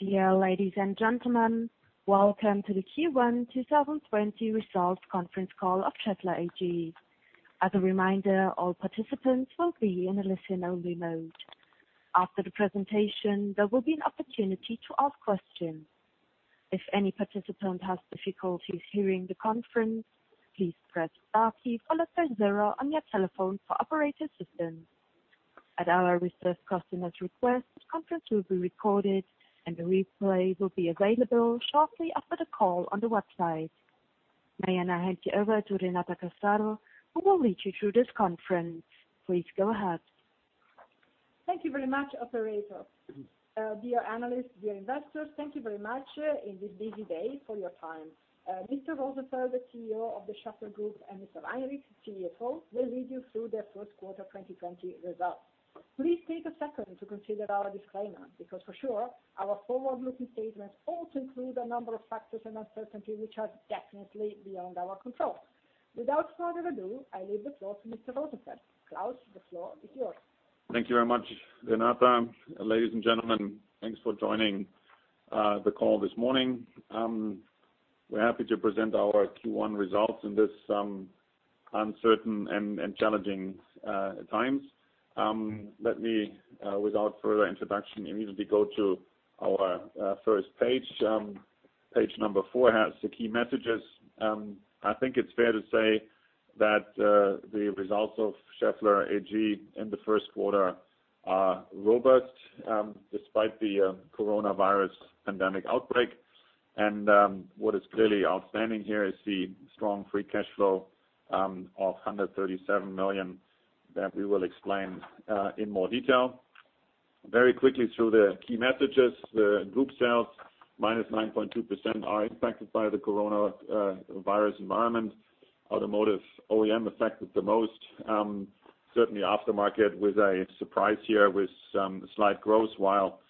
Dear ladies and gentlemen, welcome to the Q1 2020 results conference call of Schaeffler AG. As a reminder, all participants will be in a listen-only mode. After the presentation, there will be an opportunity to ask questions. If any participant has difficulties hearing the conference, please press star key, followed by zero on your telephone for operator assistance. At our reserve customer's request, the conference will be recorded, and a replay will be available shortly after the call on the website. May I now hand you over to Renata Casaro, who will lead you through this conference. Please go ahead. Thank you very much, operator. Dear analysts, dear investors, thank you very much in this busy day for your time. Mr. Rosenfeld, the CEO of the Schaeffler Group, and Mr. Heinrich, CFO, will lead you through their first quarter 2020 results. Please take a second to consider our disclaimer, because for sure, our forward-looking statements all include a number of factors and uncertainty, which are definitely beyond our control. Without further ado, I leave the floor to Mr. Rosenfeld. Klaus, the floor is yours. Thank you very much, Renata. Ladies and gentlemen, thanks for joining the call this morning. We're happy to present our Q1 results in this uncertain and challenging times. Let me, without further introduction, immediately go to our first page. Page number four has the key messages. I think it's fair to say that the results of Schaeffler AG in the first quarter are robust, despite the coronavirus pandemic outbreak. What is clearly outstanding here is the strong free cash flow of 137 million that we will explain in more detail. Very quickly through the key messages, the group sales -9.2% are impacted by the coronavirus environment. Automotive OEM affected the most. Certainly, aftermarket was a surprise here with some slight growth, while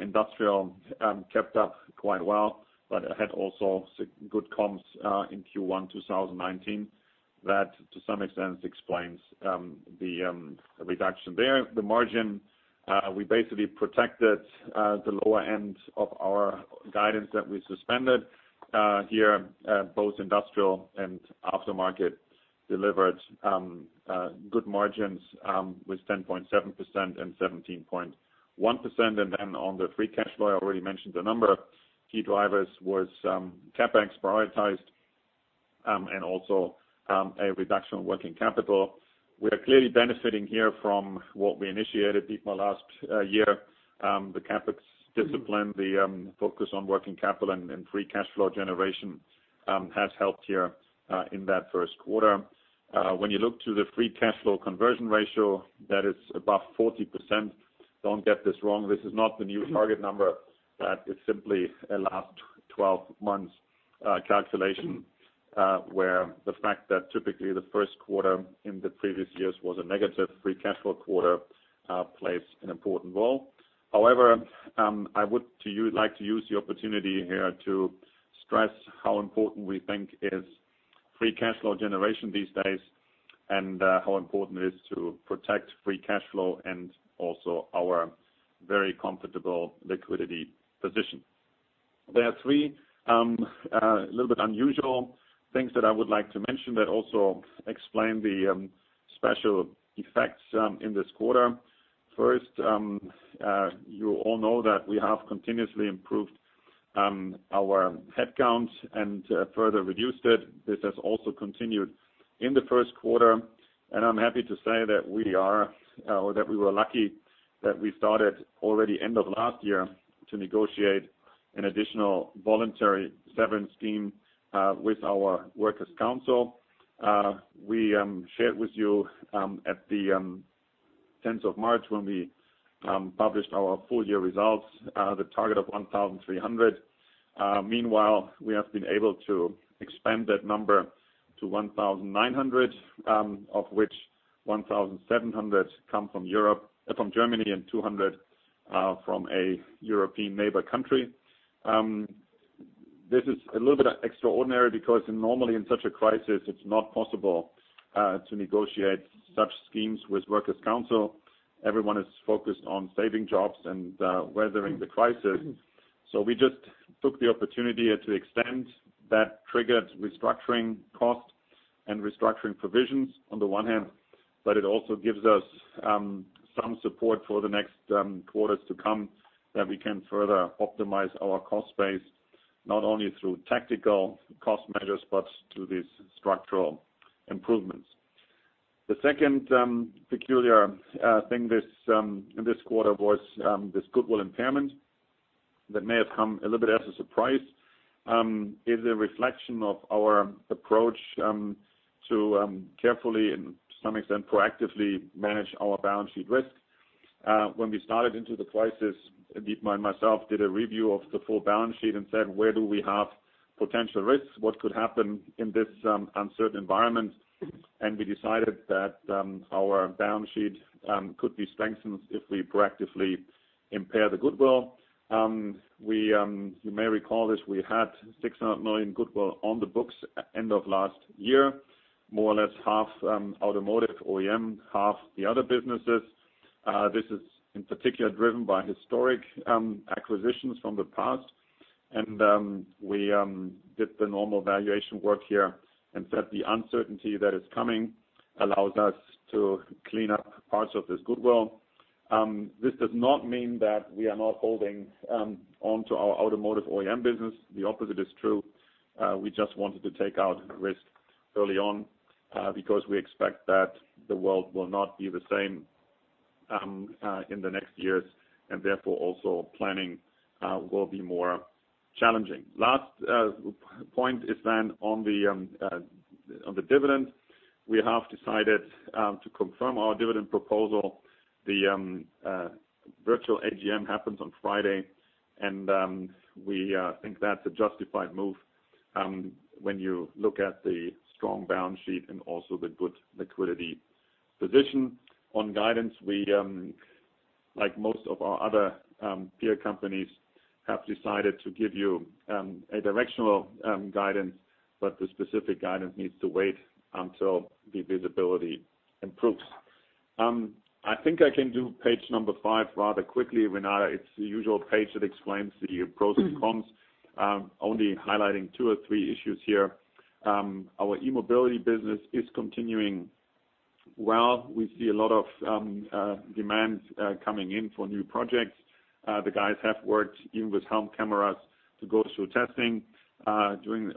Industrial kept up quite well, but had also good comps in Q1 2019. That, to some extent, explains the reduction there. The margin, we basically protected the lower end of our guidance that we suspended here both industrial and aftermarket delivered good margins with 10.7% and 17.1%. On the free cash flow, I already mentioned a number of key drivers was CapEx prioritized, and also a reduction of working capital. We are clearly benefiting here from what we initiated, Dietmar, last year. The CapEx discipline, the focus on working capital and free cash flow generation has helped here in that first quarter. When you look to the free cash flow conversion ratio, that is above 40%. Don't get this wrong. This is not the new target number. That is simply a last 12 months calculation, where the fact that typically the first quarter in the previous years was a negative free cash flow quarter, plays an important role. I would like to use the opportunity here to stress how important we think is free cash flow generation these days and how important it is to protect free cash flow and also our very comfortable liquidity position. There are three little bit unusual things that I would like to mention that also explain the special effects in this quarter. First, you all know that we have continuously improved our headcounts and further reduced it. This has also continued in the first quarter, and I'm happy to say that we were lucky that we started already end of last year to negotiate an additional voluntary severance scheme with our workers' council. We shared with you at the 10th of March when we published our full-year results, the target of 1,300. Meanwhile, we have been able to expand that number to 1,900, of which 1,700 come from Europe, from Germany and 200 from a European neighbor country. This is a little bit extraordinary because normally in such a crisis, it's not possible to negotiate such schemes with workers' council. Everyone is focused on saving jobs and weathering the crisis. We just took the opportunity here to extend that triggered restructuring cost and restructuring provisions on the one hand, but it also gives us some support for the next quarters to come that we can further optimize our cost base, not only through tactical cost measures but through these structural improvements. The second peculiar thing in this quarter was this goodwill impairment that may have come a little bit as a surprise. It's a reflection of our approach to carefully and to some extent, proactively manage our balance sheet risk. When we started into the crisis, Dietmar and myself did a review of the full balance sheet and said, "Where do we have potential risks? What could happen in this uncertain environment?" We decided that our balance sheet could be strengthened if we proactively impair the goodwill. You may recall this, we had 600 million goodwill on the books end of last year. More or less half Automotive OEM, half the other businesses. This is in particular driven by historic acquisitions from the past. We did the normal valuation work here and said the uncertainty that is coming allows us to clean up parts of this goodwill. This does not mean that we are not holding onto our Automotive OEM business. The opposite is true. We just wanted to take out risk early on, because we expect that the world will not be the same in the next years, and therefore, also planning will be more challenging. Last point is then on the dividend. We have decided to confirm our dividend proposal. The virtual AGM happens on Friday, and we think that's a justified move when you look at the strong balance sheet and also the good liquidity position. On guidance, we like most of our other peer companies, have decided to give you a directional guidance, but the specific guidance needs to wait until the visibility improves. I think I can do page number five rather quickly, Renata. It's the usual page that explains the pros and cons, only highlighting two or three issues here. Our E-Mobility business is continuing well. We see a lot of demand coming in for new projects. The guys have worked even with helm cameras to go through testing during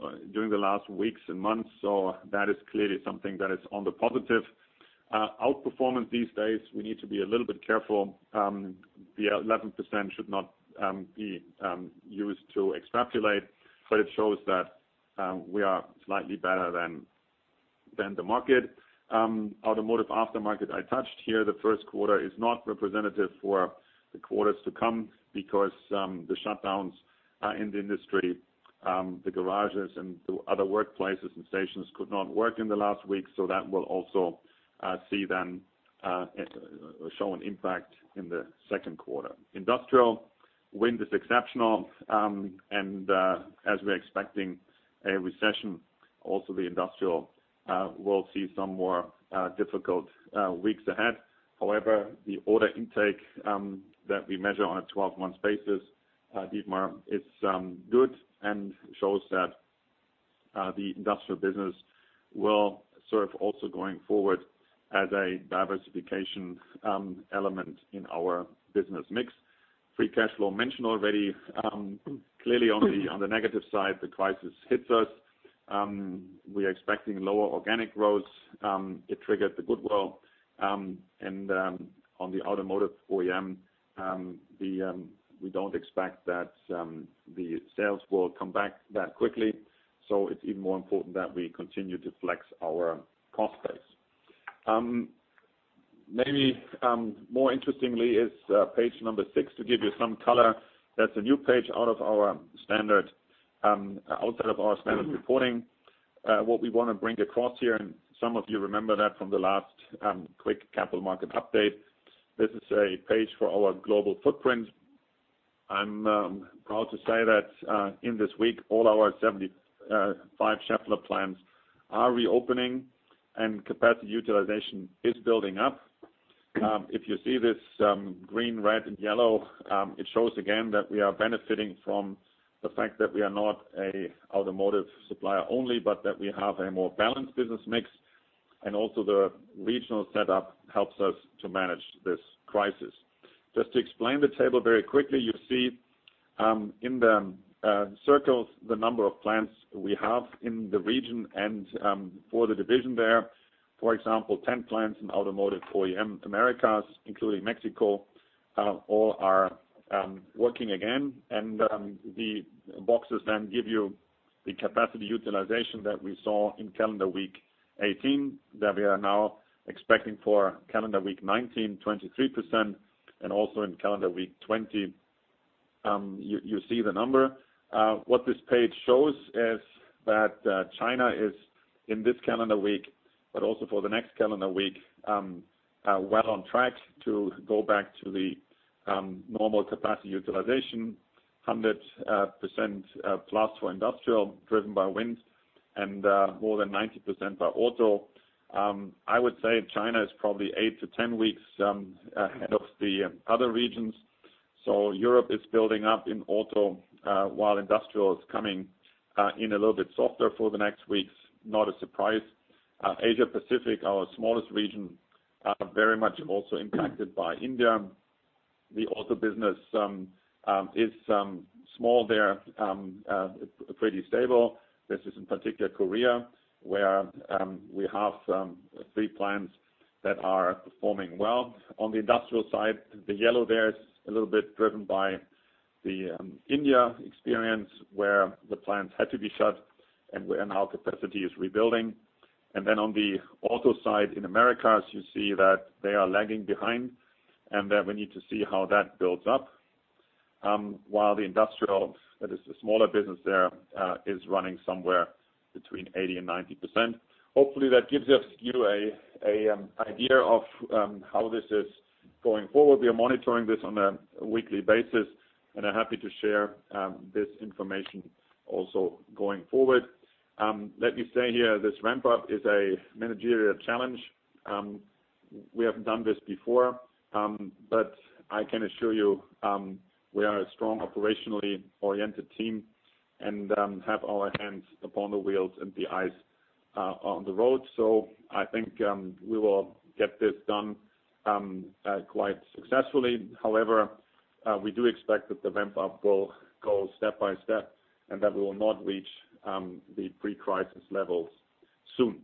the last weeks and months. That is clearly something that is on the positive. Outperformance these days, we need to be a little bit careful. The 11% should not be used to extrapolate, but it shows that we are slightly better than the market. Automotive Aftermarket I touched here. The first quarter is not representative for the quarters to come because the shutdowns in the industry, the garages and the other workplaces and stations could not work in the last week, so that will also show an impact in the second quarter. Industrial Wind is exceptional. As we're expecting a recession, also the Industrial will see some more difficult weeks ahead. The order intake that we measure on a 12-month basis, Dietmar, is good and shows that the industrial business will serve also going forward as a diversification element in our business mix. Free cash flow mentioned already. Clearly on the negative side, the crisis hits us. We're expecting lower organic growth. It triggered the goodwill. On the automotive OEM, we don't expect that the sales will come back that quickly. It's even more important that we continue to flex our cost base. More interestingly is page number six to give you some color. That's a new page outside of our standard reporting. What we want to bring across here, and some of you remember that from the last quick capital market update. This is a page for our global footprint. I'm proud to say that in this week, all our 75 Schaeffler plants are reopening and capacity utilization is building up. If you see this green, red, and yellow, it shows again that we are benefiting from the fact that we are not an automotive supplier only, but that we have a more balanced business mix, and also the regional setup helps us to manage this crisis. Just to explain the table very quickly, you see in the circles the number of plants we have in the region and for the division there. For example, 10 plants in Automotive OEM Americas, including Mexico, all are working again. The boxes then give you the capacity utilization that we saw in calendar week 18 that we are now expecting for calendar week 19, 23%, and also in calendar week 20, you see the number. What this page shows is that China is, in this calendar week, also for the next calendar week, well on track to go back to the normal capacity utilization, 100% plus for industrial, driven by Wind, and more than 90% by auto. I would say China is probably 8-10 weeks ahead of the other regions. Europe is building up in auto, while industrial is coming in a little bit softer for the next weeks. Not a surprise. Asia Pacific, our smallest region, very much also impacted by India. The auto business is small there, pretty stable. This is in particular Korea, where we have three plants that are performing well. On the industrial side, the yellow there is a little bit driven by the India experience, where the plants had to be shut and now capacity is rebuilding. On the auto side in Americas, you see that they are lagging behind and that we need to see how that builds up. While the Industrial, that is the smaller business there, is running somewhere between 80% and 90%. Hopefully, that gives you an idea of how this is going forward. We are monitoring this on a weekly basis, and are happy to share this information also going forward. Let me say here, this ramp-up is a managerial challenge. We haven't done this before, but I can assure you, we are a strong operationally-oriented team and have our hands upon the wheels and the eyes on the road. I think we will get this done quite successfully. However, we do expect that the ramp-up will go step by step and that we will not reach the pre-crisis levels soon.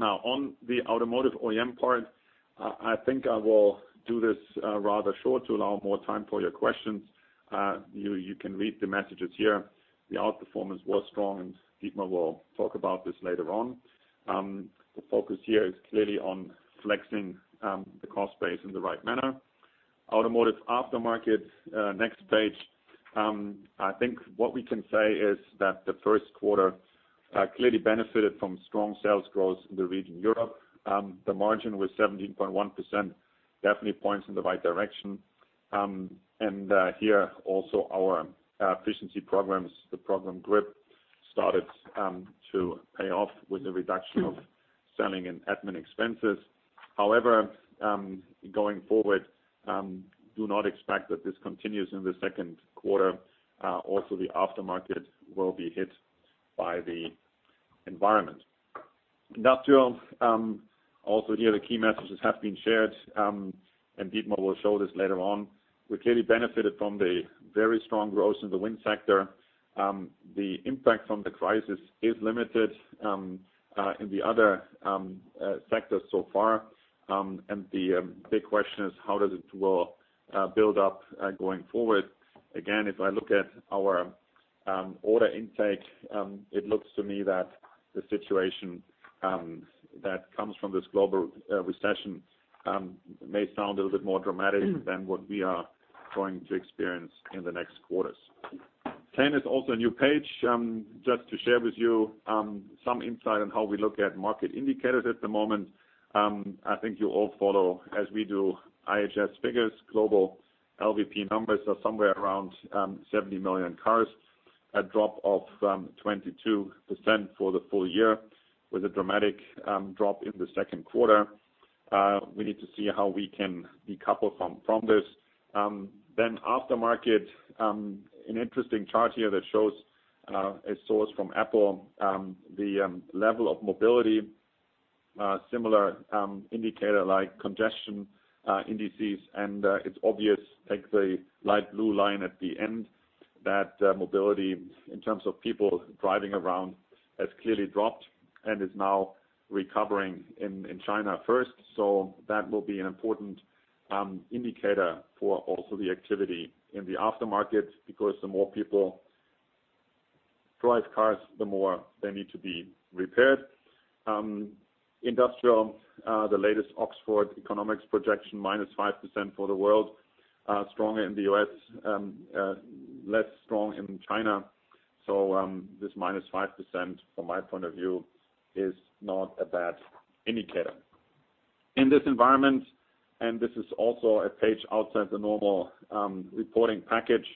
On the automotive OEM part, I think I will do this rather short to allow more time for your questions. You can read the messages here. The outperformance was strong. Dietmar will talk about this later on. The focus here is clearly on flexing the cost base in the right manner. Automotive Aftermarket, next page. I think what we can say is that the first quarter clearly benefited from strong sales growth in the region Europe. The margin was 17.1%, definitely points in the right direction. Here, also our efficiency programs, the program GRIP, started to pay off with a reduction of selling and admin expenses. However, going forward, do not expect that this continues in the second quarter. Also, the aftermarket will be hit by the environment. Industrial. Here, the key messages have been shared. Dietmar will show this later on. We clearly benefited from the very strong growth in the wind sector. The impact from the crisis is limited in the other sectors so far. The big question is: How does it will build up going forward? If I look at our order intake, it looks to me that the situation that comes from this global recession may sound a little bit more dramatic than what we are going to experience in the next quarters. 10 is also a new page, just to share with you some insight on how we look at market indicators at the moment. I think you all follow, as we do, IHS figures. Global LVP numbers are somewhere around 70 million cars, a drop of 22% for the full year, with a dramatic drop in the second quarter. We need to see how we can decouple from this. Aftermarket. An interesting chart here that shows a source from Apple, the level of mobility, similar indicator like congestion indices. It's obvious, take the light blue line at the end, that mobility in terms of people driving around has clearly dropped, and is now recovering in China first. That will be an important indicator for also the activity in the aftermarket, because the more people drive cars, the more they need to be repaired. Industrial, the latest Oxford Economics projection, -5% for the world. Stronger in the U.S., less strong in China. This -5%, from my point of view, is not a bad indicator. In this environment, and this is also a page outside the normal reporting package,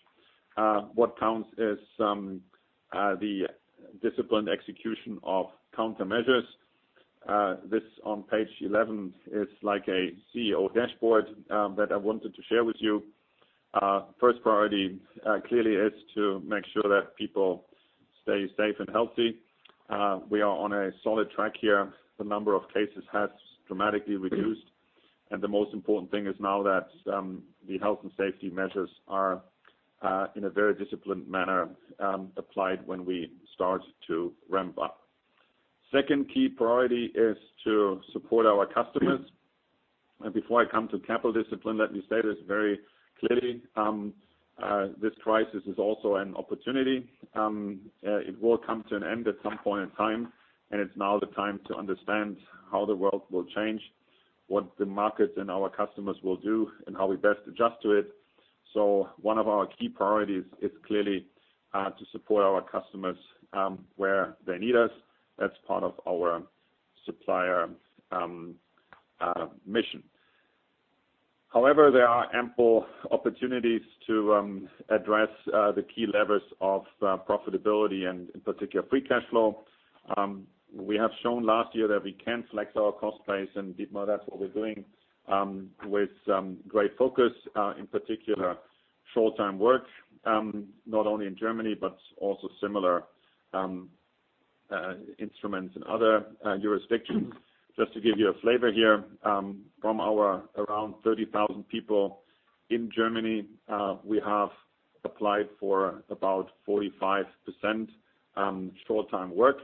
what counts is the disciplined execution of countermeasures. This on page 11 is like a CEO dashboard that I wanted to share with you. First priority, clearly, is to make sure that people stay safe and healthy. We are on a solid track here. The number of cases has dramatically reduced. The most important thing is now that the health and safety measures are, in a very disciplined manner, applied when we start to ramp up. Second key priority is to support our customers. Before I come to capital discipline, let me state this very clearly. This crisis is also an opportunity. It will come to an end at some point in time, and it's now the time to understand how the world will change, what the markets and our customers will do, and how we best adjust to it. One of our key priorities is clearly to support our customers where they need us as part of our supplier mission. However, there are ample opportunities to address the key levers of profitability and, in particular, free cash flow. We have shown last year that we can flex our cost base. Dietmar, that's what we're doing with great focus. In particular, short-time work, not only in Germany, but also similar instruments in other jurisdictions. Just to give you a flavor here, from our around 30,000 people in Germany, we have applied for about 45% short-time work.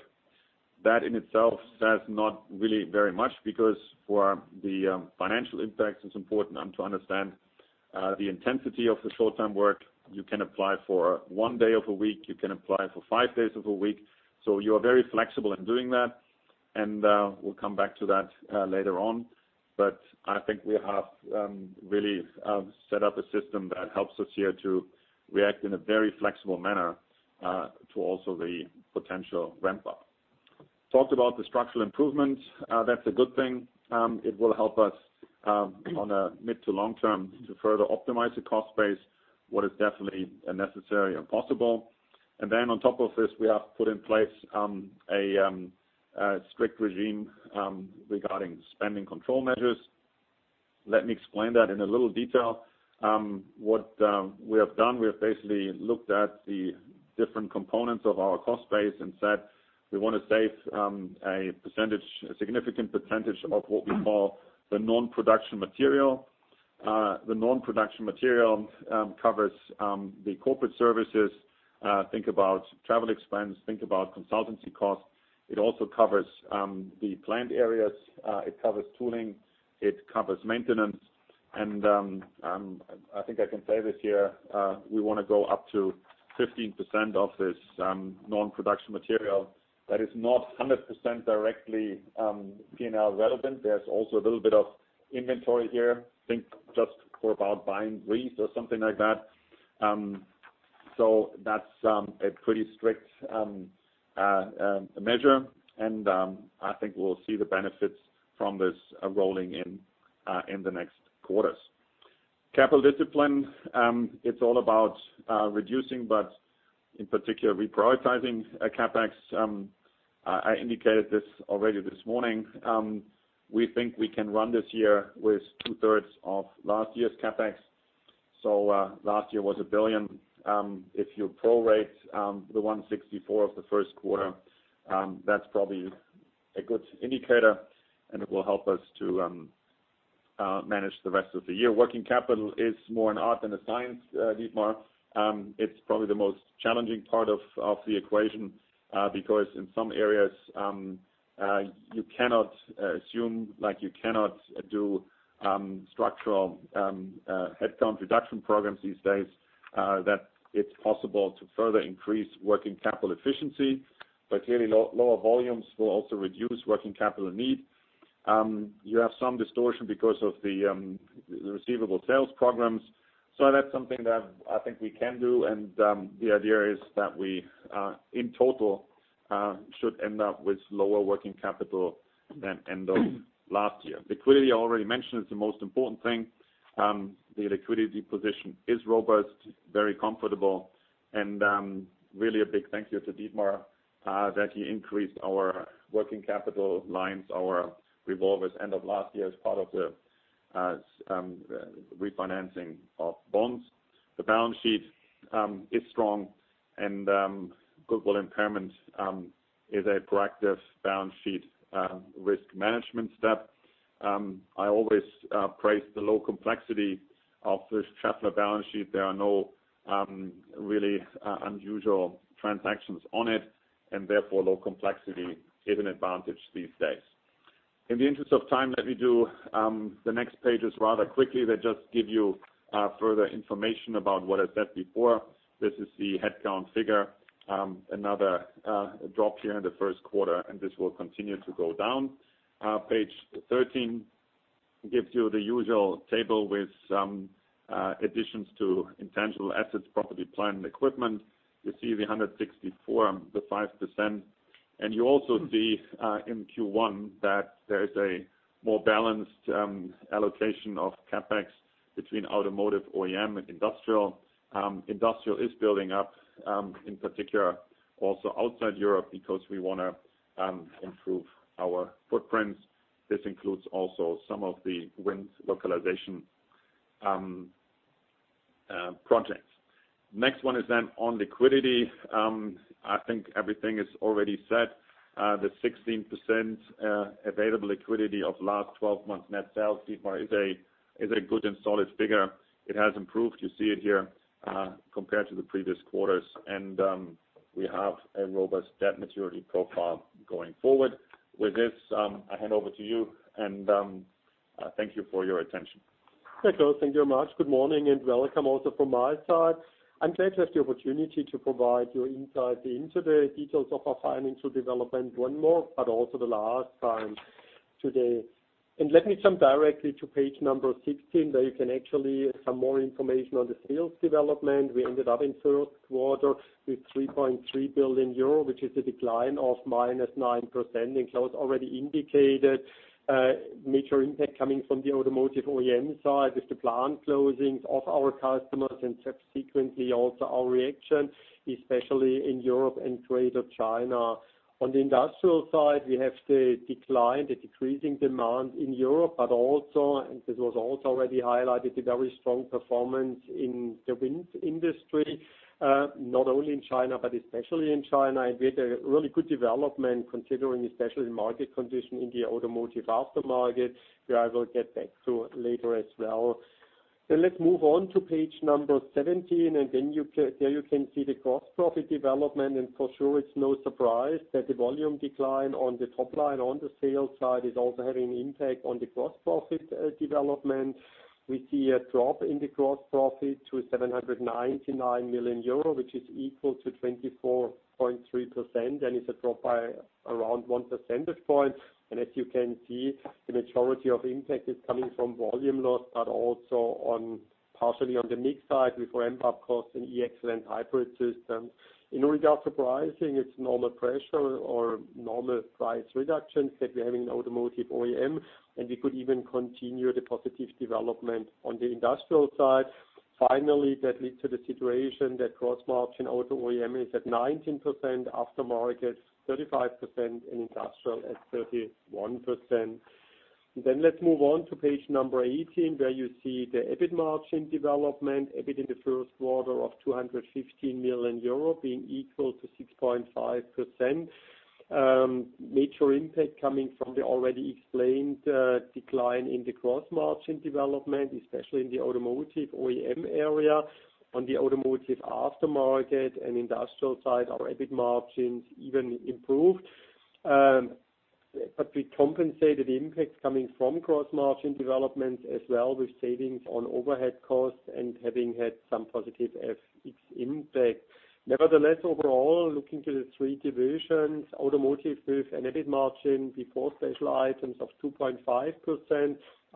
That in itself says not really very much because for the financial impact, it's important to understand the intensity of the short-time work. You can apply for one day of a week, you can apply for five days of a week. You are very flexible in doing that, and we'll come back to that later on. I think we have really set up a system that helps us here to react in a very flexible manner to also the potential ramp-up. Talked about the structural improvements. That's a good thing. It will help us on a mid to long-term to further optimize the cost base, what is definitely a necessary and possible. On top of this, we have put in place a strict regime regarding spending control measures. Let me explain that in a little detail. What we have done, we have basically looked at the different components of our cost base and said we want to save a significant percentage of what we call the non-production material. The non-production material covers the corporate services. Think about travel expense, think about consultancy cost. It also covers the plant areas, it covers tooling, it covers maintenance. I think I can say this year, we want to go up to 15% of this non-production material that is not 100% directly P&L relevant. There's also a little bit of inventory here. Think just for about buying lease or something like that. That's a pretty strict measure. I think we'll see the benefits from this rolling in the next quarters. Capital discipline, it's all about reducing, in particular reprioritizing CapEx. I indicated this already this morning. We think we can run this year with two-thirds of last year's CapEx. Last year was 1 billion. If you pro-rate the 164 of the first quarter, that's probably a good indicator. It will help us to manage the rest of the year. Working capital is more an art than a science, Dietmar. It's probably the most challenging part of the equation because in some areas, you cannot assume, like you cannot do structural headcount reduction programs these days, that it's possible to further increase working capital efficiency. Clearly, lower volumes will also reduce working capital need. You have some distortion because of the receivable sales programs. That's something that I think we can do and the idea is that we, in total, should end up with lower working capital than end of last year. Liquidity, I already mentioned, is the most important thing. The liquidity position is robust, very comfortable, and really a big thank you to Dietmar, that he increased our working capital lines, our revolvers end of last year as part of the refinancing of bonds. The balance sheet is strong and goodwill impairment is a proactive balance sheet risk management step. I always praise the low complexity of the Schaeffler balance sheet. There are no really unusual transactions on it, therefore, low complexity is an advantage these days. In the interest of time, let me do the next pages rather quickly. They just give you further information about what I said before. This is the headcount figure. Another drop here in the first quarter, and this will continue to go down. Page 13 gives you the usual table with additions to intangible assets, property, plant, and equipment. You see the 164, the 5%. You also see, in Q1, that there is a more balanced allocation of CapEx between automotive OEM and Industrial. Industrial is building up, in particular, also outside Europe because we want to improve our footprint. This includes also some of the wind localization projects. Next one is on liquidity. I think everything is already set. The 16% available liquidity of last 12 months net sales, Dietmar, is a good and solid figure. It has improved. You see it here, compared to the previous quarters. We have a robust debt maturity profile going forward. With this, I hand over to you and thank you for your attention. Thank you very much. Good morning and welcome also from my side. I'm glad to have the opportunity to provide you insight into the details of our financial development one more, but also the last time today. Let me jump directly to page 16, there you can actually have some more information on the sales development. We ended up in first quarter with 3.3 billion euro, which is a decline of -9%. Klaus already indicated major impact coming from the Automotive OEM side with the plant closings of our customers and subsequently also our reaction, especially in Europe and Greater China. On the Industrial side, we have the decline, the decreasing demand in Europe, but also, and this was also already highlighted, a very strong performance in the wind industry. Not only in China but especially in China. We had a really good development considering especially market condition in the automotive aftermarket, where I will get back to later as well. Let's move on to page 17, there you can see the gross profit development for sure it's no surprise that the volume decline on the top line on the sales side is also having an impact on the gross profit development. We see a drop in the gross profit to 799 million euro, which is equal to 24.3%, it's a drop by around one percentage point. As you can see, the majority of impact is coming from volume loss, but also partially on the mix side with ramp-up costs in E-Axle and hybrid systems. In regard to pricing, it's normal pressure or normal price reductions that we have in Automotive OEM, and we could even continue the positive development on the Industrial side. Finally, that leads to the situation that gross margin Automotive OEM is at 19%, Aftermarket 35%, and Industrial at 31%. Let's move on to page number 18, where you see the EBIT margin development. EBIT in the first quarter of 215 million euro, being equal to 6.5%. Major impact coming from the already explained decline in the gross margin development, especially in the Automotive OEM area. On the Automotive Aftermarket and Industrial side, our EBIT margins even improved. We compensated the impact coming from gross margin development as well with savings on overhead costs and having had some positive FX impact. Nevertheless, overall, looking to the three divisions, automotive with an EBIT margin before special items of 2.5%,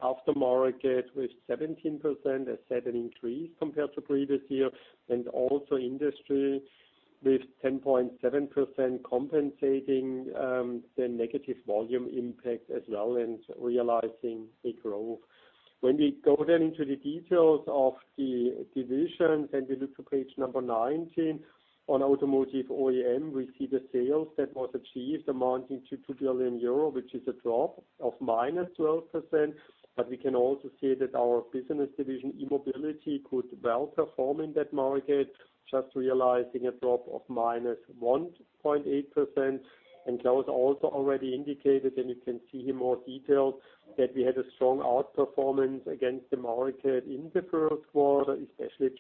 aftermarket with 17%, as said, an increase compared to previous year, and also industry with 10.7% compensating the negative volume impact as well and realizing a growth. When we go then into the details of the divisions and we look to page number 19 on automotive OEM, we see the sales that was achieved amounting to 2 billion euro, which is a drop of -12%. We can also see that our business division, E-Mobility, could well perform in that market, just realizing a drop of -1.8%. Klaus also already indicated, and you can see in more detail, that we had a strong outperformance against the market in the first quarter, especially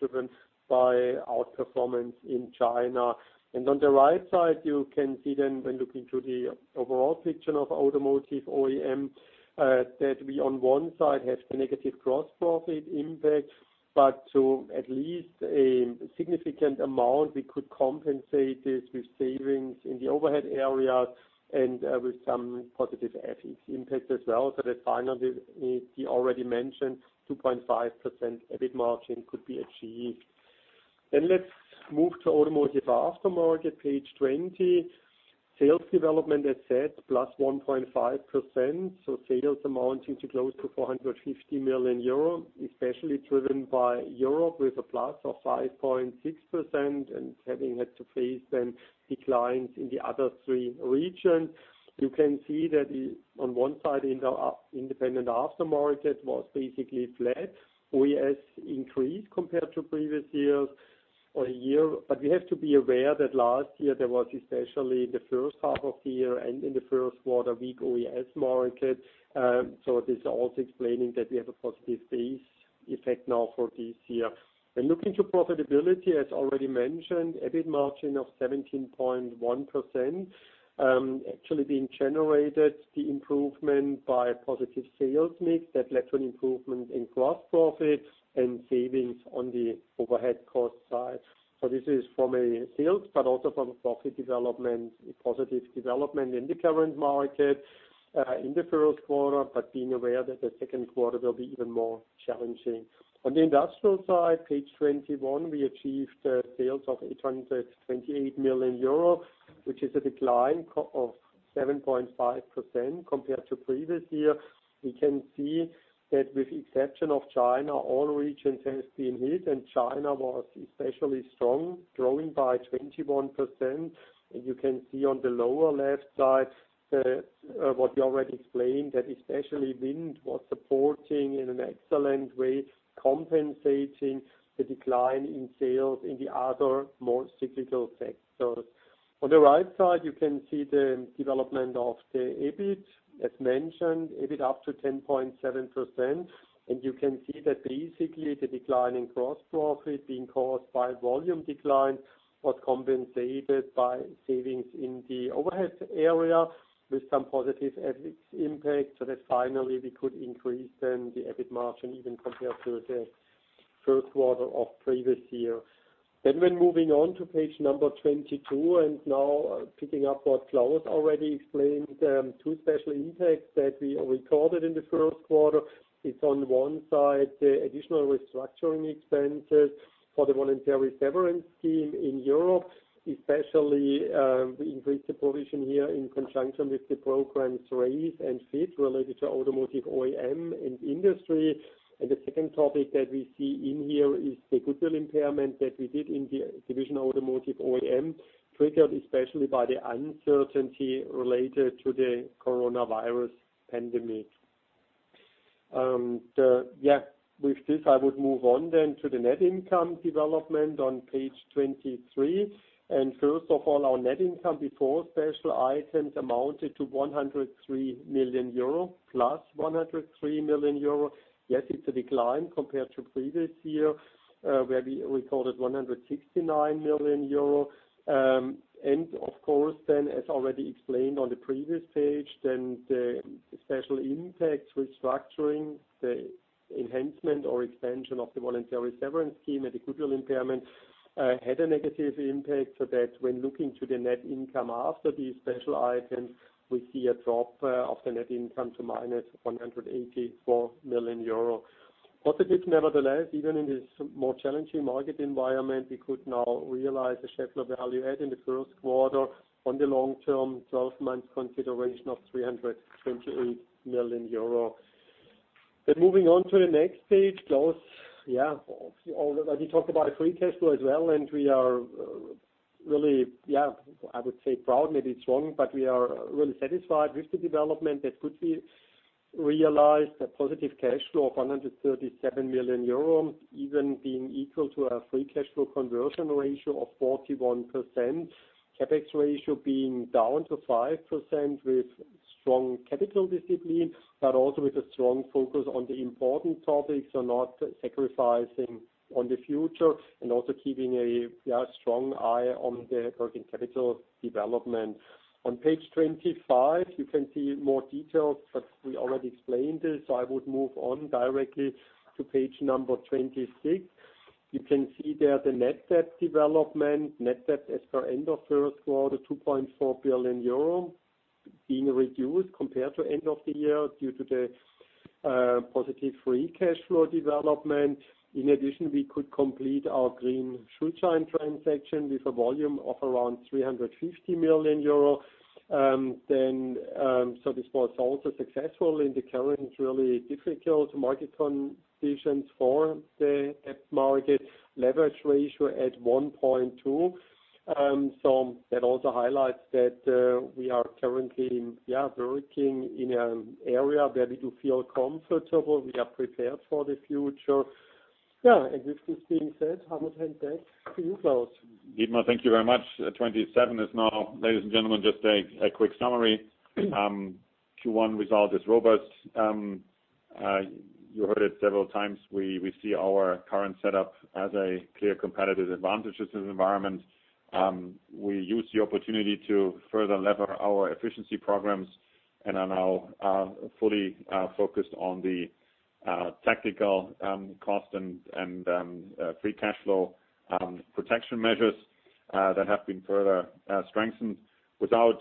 driven by outperformance in China. On the right side, you can see then when looking to the overall picture of Automotive OEM, that we, on one side, have the negative gross profit impact, but to at least a significant amount, we could compensate this with savings in the overhead area and with some positive FX impact as well, so that finally, the already mentioned 2.5% EBIT margin could be achieved. Let's move to Automotive Aftermarket, page 20. Sales development, as said, +1.5%, so sales amounting to close to 450 million euro, especially driven by Europe with a plus of 5.6% and having had to face then declines in the other three regions. You can see that on one side, independent aftermarket was basically flat. OES increased compared to previous years or a year, but we have to be aware that last year, there was especially in the first half of the year and in the first quarter, weak OES market. This is also explaining that we have a positive base effect now for this year. When looking to profitability, as already mentioned, EBIT margin of 17.1%, actually being generated the improvement by positive sales mix that led to an improvement in gross profit and savings on the overhead cost side. This is from a sales but also from a profit development, a positive development in the current market, in the first quarter, but being aware that the second quarter will be even more challenging. On the industrial side, page 21, we achieved sales of 828 million euro, which is a decline of 7.5% compared to previous year. We can see that with exception of China, all regions has been hit, China was especially strong, growing by 21%. You can see on the lower left side what we already explained, that especially Wind was supporting in an excellent way, compensating the decline in sales in the other more cyclical sectors. On the right side, you can see the development of the EBIT. As mentioned, EBIT up to 10.7%. You can see that basically the decline in gross profit being caused by volume decline was compensated by savings in the overhead area with some positive FX impact, so that finally we could increase then the EBIT margin even compared to the first quarter of previous year. When moving on to page number 22, and now picking up what Klaus already explained, two special impacts that we recorded in the first quarter. It's on one side, the additional restructuring expenses for the voluntary severance scheme in Europe, especially we increased the provision here in conjunction with the programs RACE and FIT related to Automotive OEM and industry. The second topic that we see in here is the goodwill impairment that we did in the division Automotive OEM, triggered especially by the uncertainty related to the coronavirus pandemic. With this, I would move on then to the net income development on page 23. First of all, our net income before special items amounted to 103 million euro, plus 103 million euro. It's a decline compared to previous year where we recorded 169 million euro. Of course, as already explained on the previous page, the Special Impact Restructuring, the enhancement or expansion of the voluntary severance scheme and the goodwill impairment had a negative impact, so that when looking to the net income after these special items, we see a drop of the net income to minus 184 million euro. Positive nevertheless, even in this more challenging market environment, we could now realize the Schaeffler Value Added in the first quarter on the long-term 12-month consideration of 328 million euro. Moving on to the next page, Klaus. We talk about free cash flow as well, we are really, I would say proud, maybe it's wrong, but we are really satisfied with the development that could be realized, a positive cash flow of 137 million euros, even being equal to a free cash flow conversion ratio of 41%. CapEx ratio being down to 5% with strong capital discipline, but also with a strong focus on the important topics and not sacrificing on the future and also keeping a strong eye on the working capital development. On page 25, you can see more details, but we already explained this. I would move on directly to page number 26. You can see there the net debt development. Net debt as per end of first quarter, 2.4 billion euro, being reduced compared to end of the year due to the positive free cash flow development. In addition, we could complete our green Schuldschein transaction with a volume of around 350 million euro. This was also successful in the current really difficult market conditions for the debt market. Leverage ratio at 1.2. That also highlights that we are currently working in an area where we do feel comfortable. We are prepared for the future. Yeah, with this being said, I will hand back to you, Klaus. Dietmar, thank you very much. 27 is now, ladies and gentlemen, just a quick summary. Q1 result is robust. You heard it several times, we see our current setup as a clear competitive advantage in this environment. We use the opportunity to further lever our efficiency programs and are now fully focused on the tactical cost and free cash flow protection measures that have been further strengthened without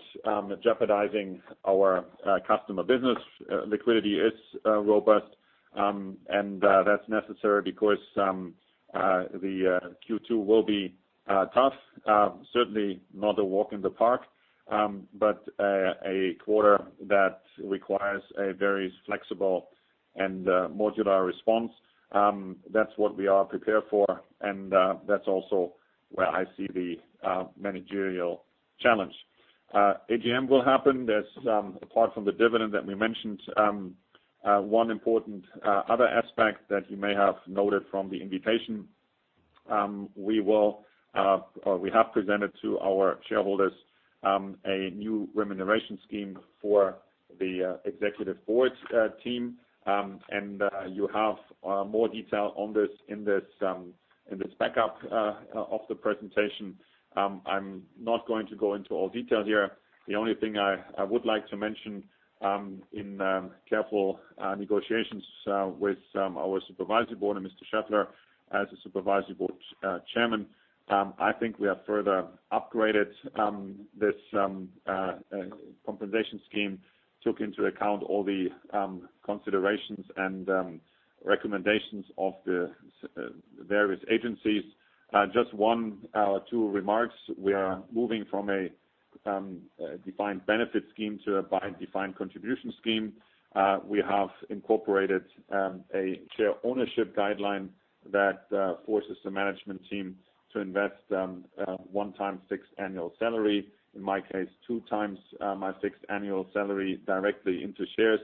jeopardizing our customer business. Liquidity is robust, that's necessary because the Q2 will be tough. Certainly not a walk in the park, a quarter that requires a very flexible and modular response. That's what we are prepared for, that's also where I see the managerial challenge. AGM will happen. There's, apart from the dividend that we mentioned, one important other aspect that you may have noted from the invitation. We have presented to our shareholders a new remuneration scheme for the Executive Board team, and you have more detail on this in this backup of the presentation. I'm not going to go into all details here. The only thing I would like to mention in careful negotiations with our Supervisory Board and Mr. Schaeffler as the Supervisory Board Chairman, I think we have further upgraded this compensation scheme, took into account all the considerations and recommendations of the various agencies. Just one or two remarks. We are moving from a defined benefit scheme to a defined contribution scheme. We have incorporated a share ownership guideline that forces the management team to invest one times six annual salary, in my case, two times my six annual salary directly into shares,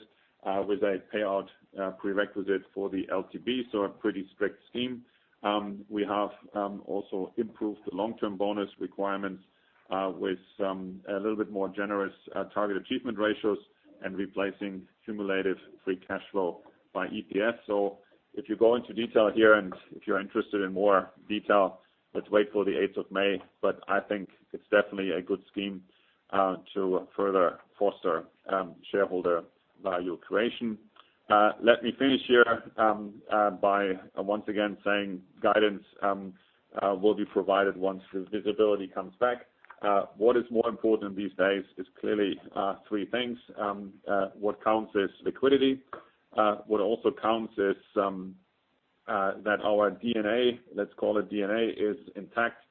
with a payout prerequisite for the LTIP, so a pretty strict scheme. We have also improved the long-term bonus requirements with a little bit more generous target achievement ratios and replacing cumulative free cash flow by EPS. If you go into detail here and if you're interested in more detail, let's wait for the eighth of May. I think it's definitely a good scheme to further foster shareholder value creation. Let me finish here by once again saying guidance will be provided once the visibility comes back. What is more important these days is clearly three things. What counts is liquidity. What also counts is that our DNA, let's call it DNA, is intact.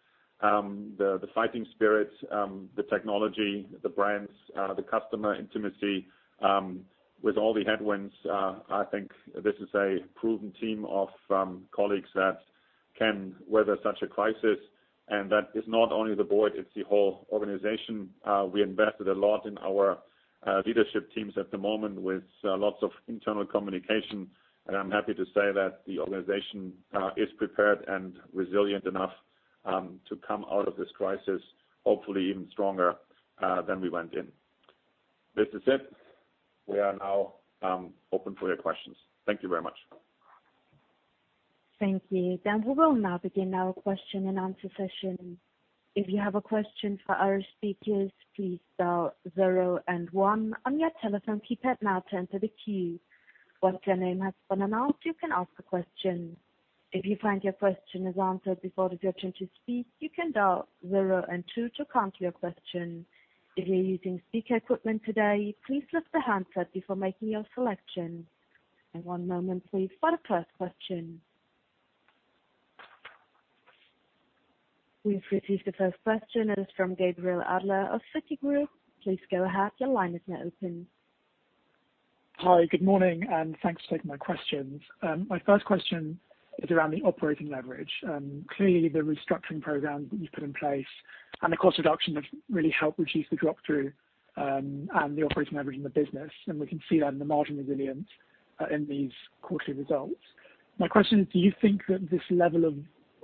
The fighting spirit, the technology, the brands, the customer intimacy. With all the headwinds, I think this is a proven team of colleagues that can weather such a crisis, and that is not only the board, it's the whole organization. We invested a lot in our leadership teams at the moment with lots of internal communication, and I'm happy to say that the organization is prepared and resilient enough to come out of this crisis, hopefully even stronger than we went in. This is it. We are now open for your questions. Thank you very much. Thank you. We will now begin our question and answer session. If you have a question for our speakers, please dial zero and one on your telephone keypad now to enter the queue. Once your name has been announced, you can ask a question. If you find your question is answered before it is your turn to speak, you can dial zero and two to cancel your question. If you're using speaker equipment today, please lift the handset before making your selection. One moment please, for the first question. We've received the first question. It is from Gabriel Adler of Citigroup. Please go ahead. Your line is now open. Hi, good morning, and thanks for taking my questions. My first question is around the operating leverage. Clearly, the restructuring program that you've put in place and the cost reduction have really helped reduce the drop-through and the operating leverage in the business, and we can see that in the margin resilience in these quarterly results. My question is, do you think that this level of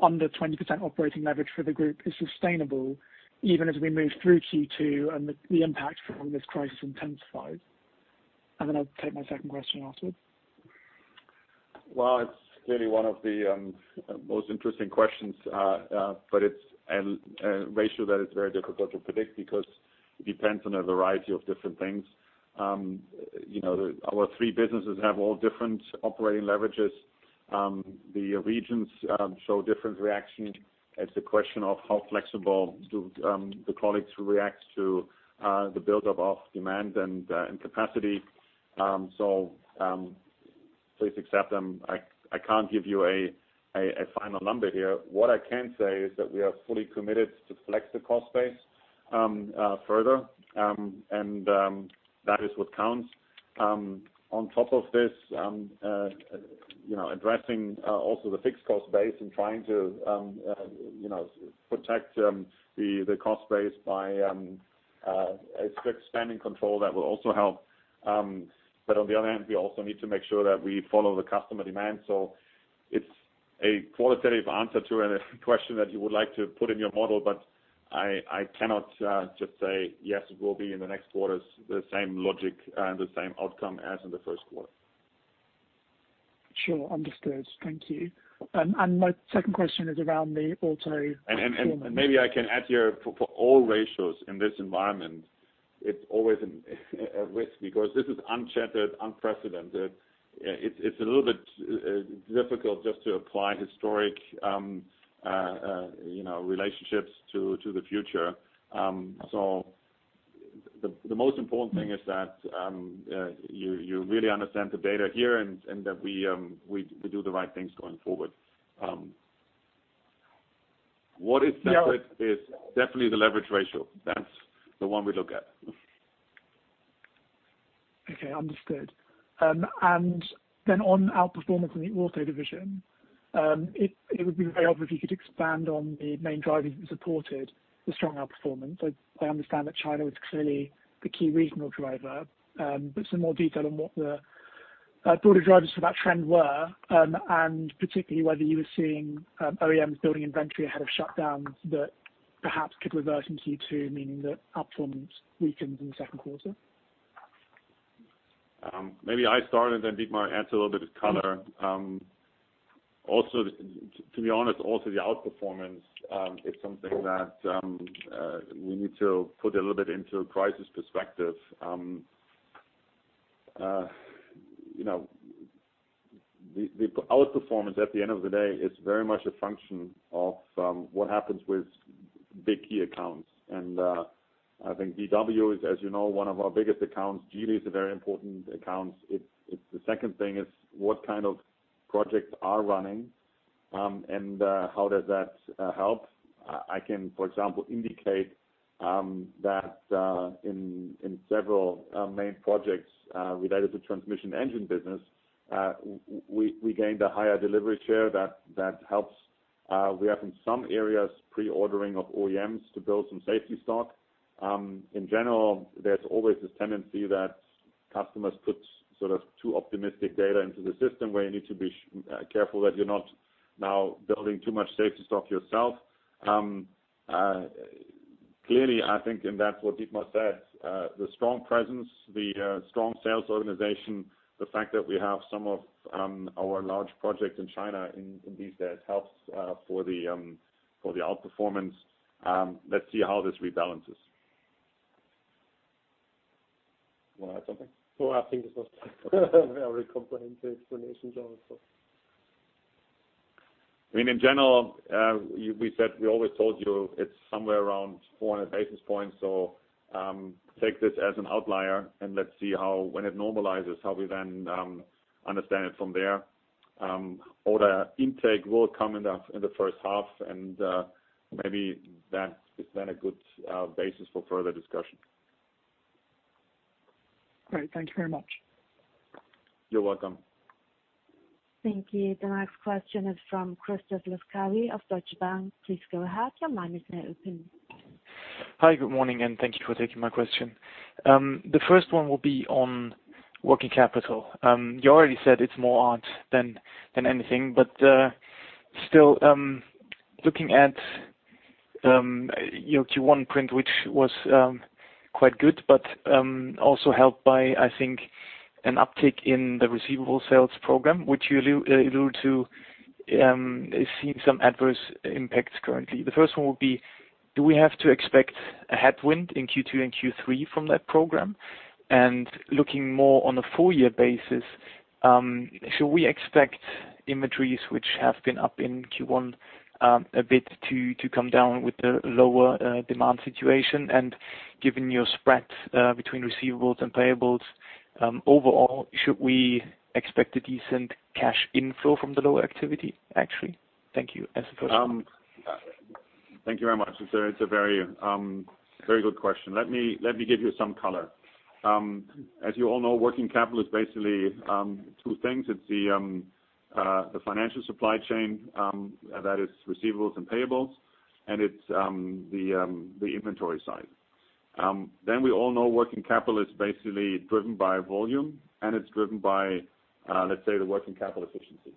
under 20% operating leverage for the group is sustainable even as we move through Q2 and the impact from this crisis intensifies? Then I'll take my second question afterwards. Well, it's really one of the most interesting questions. It's a ratio that is very difficult to predict because it depends on a variety of different things. Our three businesses have all different operating leverages. The regions show different reaction. It's a question of how flexible do the colleagues react to the buildup of demand and capacity. Please accept them. I can't give you a final number here. What I can say is that we are fully committed to flex the cost base further, and that is what counts. On top of this, addressing also the fixed cost base and trying to protect the cost base by a strict spending control, that will also help. On the other hand, we also need to make sure that we follow the customer demand. It's a qualitative answer to a question that you would like to put in your model, but I cannot just say, yes, it will be in the next quarters, the same logic and the same outcome as in the first quarter. Sure. Understood. Thank you. My second question is around. Maybe I can add here, for all ratios in this environment, it is always a risk because this is uncharted, unprecedented. It is a little bit difficult just to apply historic relationships to the future. The most important thing is that you really understand the data here and that we do the right things going forward. What is separate is definitely the leverage ratio. That is the one we look at. Okay. Understood. On outperformance in the auto division, it would be very helpful if you could expand on the main drivers that supported the strong outperformance. I understand that China was clearly the key regional driver, but some more detail on what the broader drivers for that trend were, and particularly whether you were seeing OEMs building inventory ahead of shutdowns that perhaps could reverse in Q2, meaning that outperformance weakens in the second quarter. Maybe I start and then Dietmar adds a little bit of color. To be honest, also the outperformance is something that we need to put a little bit into crisis perspective. The outperformance, at the end of the day, is very much a function of what happens with big key accounts. I think VW is, as you know, one of our biggest accounts. Geely is a very important account. The second thing is what kind of projects are running, and how does that help? I can, for example, indicate that in several main projects related to transmission engine business, we gained a higher delivery share that helps. We have, in some areas, pre-ordering of OEMs to build some safety stock. In general, there's always this tendency that customers put sort of too optimistic data into the system, where you need to be careful that you're not now building too much safety stock yourself. Clearly, I think, and that's what Dietmar said, the strong presence, the strong sales organization, the fact that we have some of our large projects in China in these days helps for the outperformance. Let's see how this rebalances. You want to add something? No, I think it's a very comprehensive explanation, Jonas. In general, we always told you it's somewhere around 400 basis points. Take this as an outlier, and let's see when it normalizes, how we then understand it from there. Order intake will come in the first half, and maybe that is then a good basis for further discussion. Great. Thank you very much. You're welcome. Thank you. The next question is from Christoph Laskawi of Deutsche Bank. Please go ahead. Your line is now open. Hi, good morning, and thank you for taking my question. The first one will be on working capital. You already said it's more art than anything, but still looking at your Q1 print, which was quite good, but also helped by, I think, an uptick in the receivable sales program, which you allude to is seeing some adverse impacts currently. The first one would be, do we have to expect a headwind in Q2 and Q3 from that program? Looking more on a full year basis, should we expect inventories which have been up in Q1 a bit to come down with the lower demand situation? Given your spread between receivables and payables, overall, should we expect a decent cash inflow from the lower activity, actually? Thank you. As a first one. Thank you very much. It's a very good question. Let me give you some color. As you all know, working capital is basically two things. It's the financial supply chain that is receivables and payables, and it's the inventory side. We all know working capital is basically driven by volume, and it's driven by, let's say, the working capital efficiency.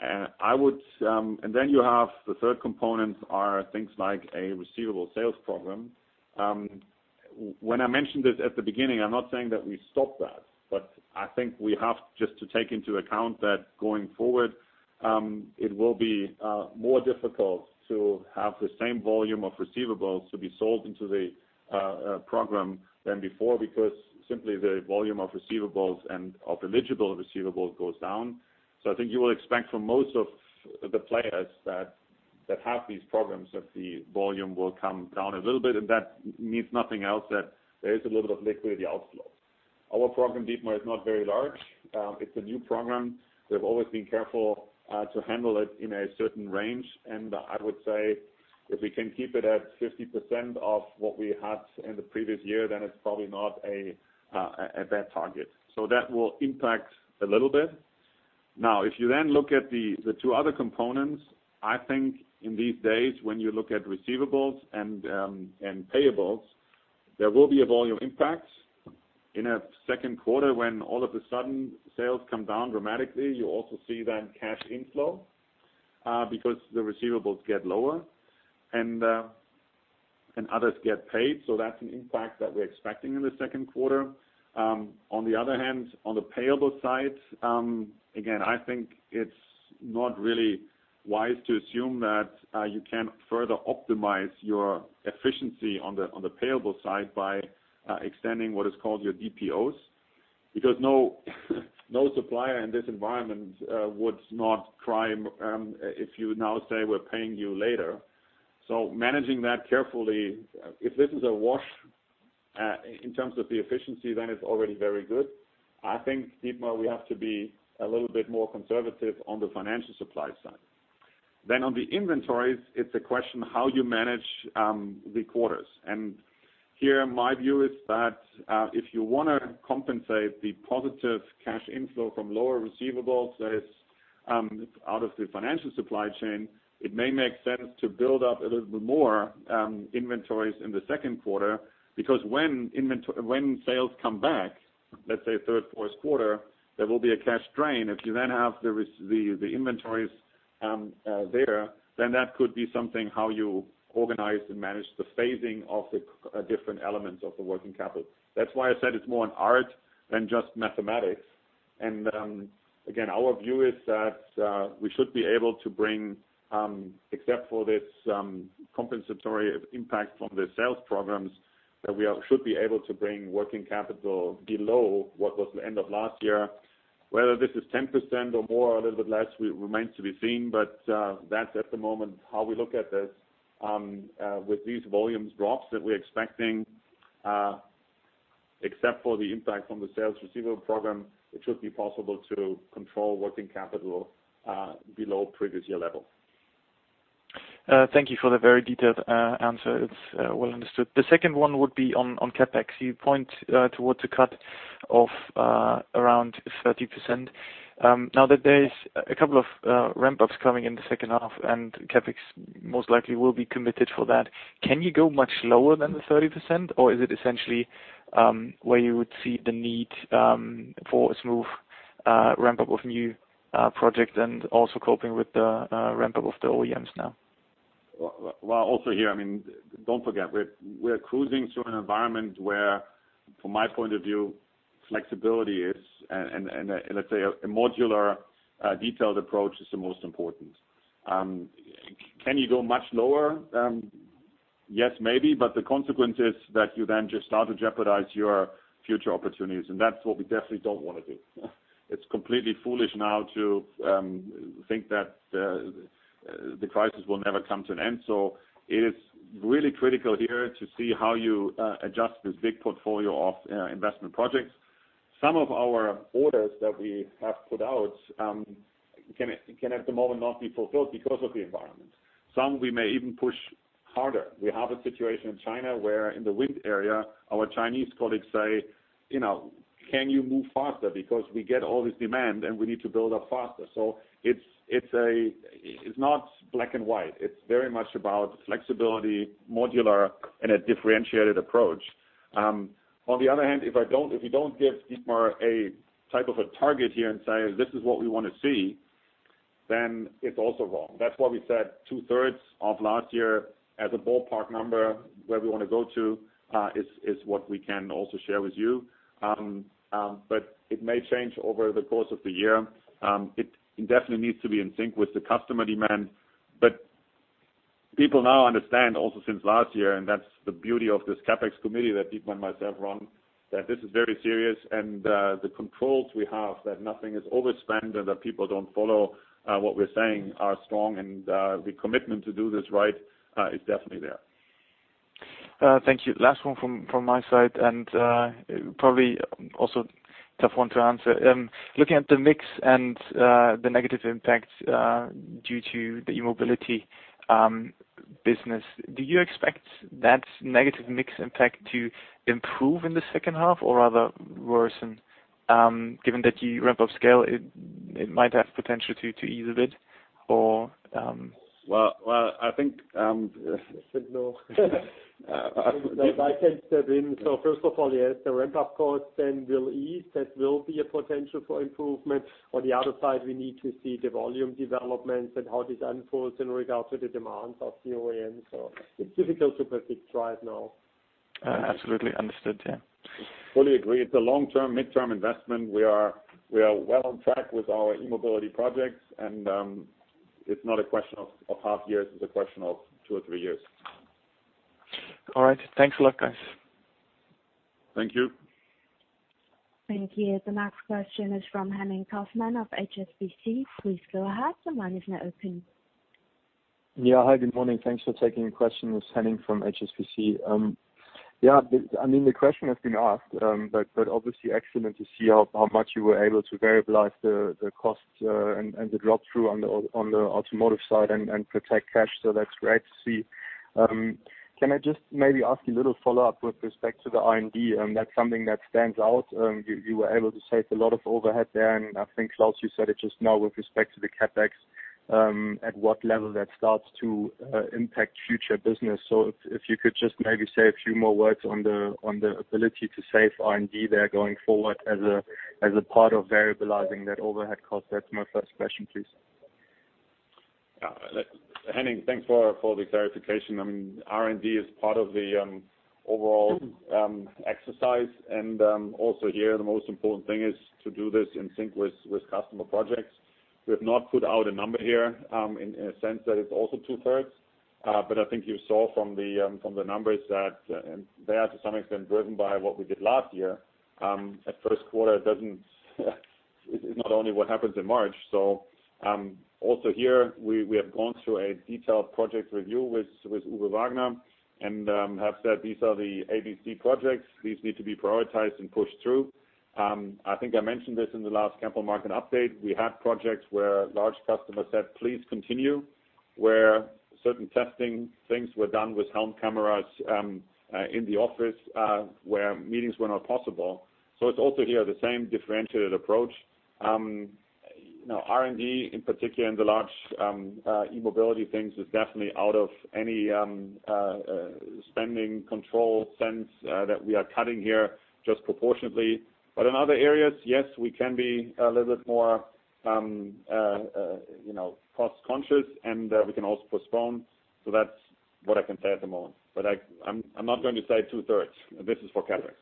You have the third components are things like a receivable sales program. When I mentioned this at the beginning, I'm not saying that we stopped that, but I think we have just to take into account that going forward, it will be more difficult to have the same volume of receivables to be sold into the program than before because simply the volume of receivables and of eligible receivables goes down. I think you will expect from most of the players that have these programs, that the volume will come down a little bit, and that means nothing else that there is a little bit of liquidity outflow. Our program, Dietmar, is not very large. It's a new program. We've always been careful to handle it in a certain range. I would say if we can keep it at 50% of what we had in the previous year, then it's probably not a bad target. That will impact a little bit. If you then look at the two other components, I think in these days when you look at receivables and payables, there will be a volume impact in a second quarter when all of a sudden sales come down dramatically. You also see then cash inflow, because the receivables get lower and others get paid. That's an impact that we're expecting in the second quarter. On the other hand, on the payable side, again, I think it's not really wise to assume that you can further optimize your efficiency on the payable side by extending what is called your DPOs, because no supplier in this environment would not cry if you now say we're paying you later. Managing that carefully, if this is a wash in terms of the efficiency, then it's already very good. I think, Dietmar, we have to be a little bit more conservative on the financial supply side. On the inventories, it's a question how you manage the quarters. Here my view is that if you want to compensate the positive cash inflow from lower receivables that is out of the financial supply chain, it may make sense to build up a little bit more inventories in the second quarter, because when sales come back, let's say third, fourth quarter, there will be a cash drain. If you then have the inventories there, then that could be something how you organize and manage the phasing of the different elements of the working capital. That's why I said it's more an art than just mathematics. Again, our view is that we should be able to bring, except for this compensatory impact from the sales programs, that we should be able to bring working capital below what was the end of last year. Whether this is 10% or more or a little bit less remains to be seen. That's at the moment how we look at this. With these volumes drops that we're expecting, except for the impact from the sales receivable program, it should be possible to control working capital below previous year level. Thank you for the very detailed answer. It's well understood. The second one would be on CapEx. You point towards a cut of around 30%. Now that there's a couple of ramp-ups coming in the second half and CapEx most likely will be committed for that. Can you go much lower than the 30% or is it essentially where you would see the need for a smooth ramp-up of new project and also coping with the ramp-up of the OEMs now? Well, also here, don't forget, we're cruising through an environment where, from my point of view, flexibility is, and let's say a modular detailed approach is the most important. Can you go much lower? Yes, maybe, the consequence is that you then just start to jeopardize your future opportunities, and that's what we definitely don't want to do. It's completely foolish now to think that the crisis will never come to an end. It is really critical here to see how you adjust this big portfolio of investment projects. Some of our orders that we have put out can at the moment not be fulfilled because of the environment. Some we may even push harder. We have a situation in China where in the Wind area, our Chinese colleagues say, "Can you move faster? We get all this demand, and we need to build up faster. It's not black and white. It's very much about flexibility, modular, and a differentiated approach. On the other hand, if you don't give Dietmar a type of a target here and say, "This is what we want to see," then it's also wrong. That's why we said two-thirds of last year as a ballpark number where we want to go to, is what we can also share with you. It may change over the course of the year. It definitely needs to be in sync with the customer demand. People now understand also since last year, and that's the beauty of this CapEx committee that Dietmar and myself run, that this is very serious and the controls we have that nothing is overspent and that people don't follow what we're saying are strong, and the commitment to do this right is definitely there. Thank you. Last one from my side and probably also tough one to answer. Looking at the mix and the negative impact due to the E-Mobility business, do you expect that negative mix impact to improve in the second half or rather worsen? Given that you ramp up scale, it might have potential to ease a bit. Well. I said no. I can step in. First of all, yes, the ramp-up costs then will ease. That will be a potential for improvement. On the other side, we need to see the volume developments and how this unfolds in regards to the demands of COAM. It's difficult to predict right now. Absolutely. Understood, yeah. Fully agree. It's a long-term, midterm investment. We are well on track with our E-Mobility projects and it's not a question of half years, it's a question of two or three years. All right. Thanks a lot, guys. Thank you. Thank you. The next question is from Henning Cosman of HSBC. Please go ahead. The line is now open. Yeah. Hi, good morning. Thanks for taking the question. It's Henning from HSBC. Yeah, the question has been asked, obviously excellent to see how much you were able to variabilize the cost and the drop-through on the automotive side and protect cash. That's great to see. Can I just maybe ask a little follow-up with respect to the R&D? That's something that stands out. You were able to save a lot of overhead there, I think, Klaus, you said it just now with respect to the CapEx, at what level that starts to impact future business. If you could just maybe say a few more words on the ability to save R&D there going forward as a part of variabilizing that overhead cost. That's my first question, please. Henning, thanks for the clarification. R&D is part of the overall exercise and also here the most important thing is to do this in sync with customer projects. We have not put out a number here in a sense that it's also two-thirds. I think you saw from the numbers that they are to some extent driven by what we did last year. At first quarter, it's not only what happens in March. Also here we have gone through a detailed project review with Uwe Wagner and have said these are the ABC projects. These need to be prioritized and pushed through. I think I mentioned this in the last capital market update. We had projects where large customers said, "Please continue," where certain testing things were done with helm cameras in the office, where meetings were not possible. It's also here the same differentiated approach. R&D in particular in the large E-Mobility things is definitely out of any spending control sense that we are cutting here just proportionately. In other areas, yes, we can be a little bit more cost-conscious and we can also postpone. That's what I can say at the moment. I'm not going to say two-thirds. This is for CapEx.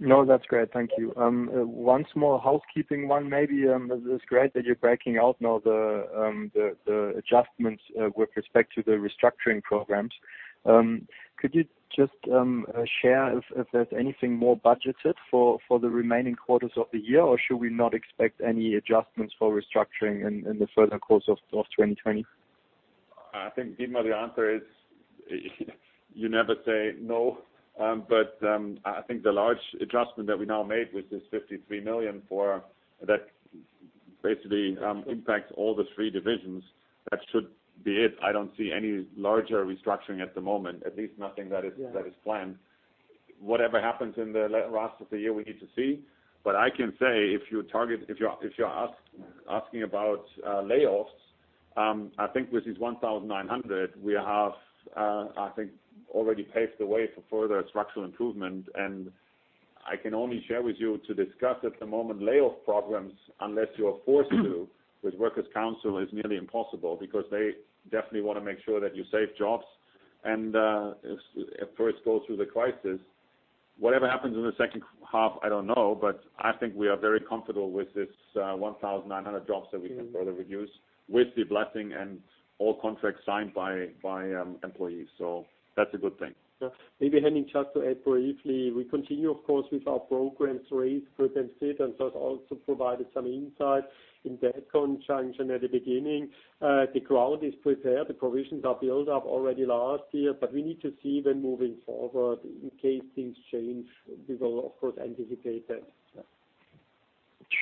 No, that's great. Thank you. One small housekeeping one maybe. This is great that you're breaking out now the adjustments with respect to the restructuring programs. Could you just share if there's anything more budgeted for the remaining quarters of the year or should we not expect any adjustments for restructuring in the further course of 2020? I think, Dietmar, the answer is you never say no. I think the large adjustment that we now made with this 53 million that basically impacts all the three divisions, that should be it. I don't see any larger restructuring at the moment, at least nothing that is planned. Whatever happens in the last of the year, we need to see. I can say if you're asking about layoffs, I think with this 1,900, we have I think already paved the way for further structural improvement and I can only share with you to discuss at the moment layoff programs, unless you are forced to with workers' council is nearly impossible because they definitely want to make sure that you save jobs and first go through the crisis. Whatever happens in the second half, I don't know, but I think we are very comfortable with this 1,900 jobs that we can further reduce with the blessing and all contracts signed by employees. That's a good thing. Maybe, Henning, just to add briefly. We continue of course, with our programs Raise, Prevent, Save, and so it also provided some insight in that conjunction at the beginning. The ground is prepared, the provisions are built up already last year, but we need to see when moving forward in case things change, we will of course anticipate that.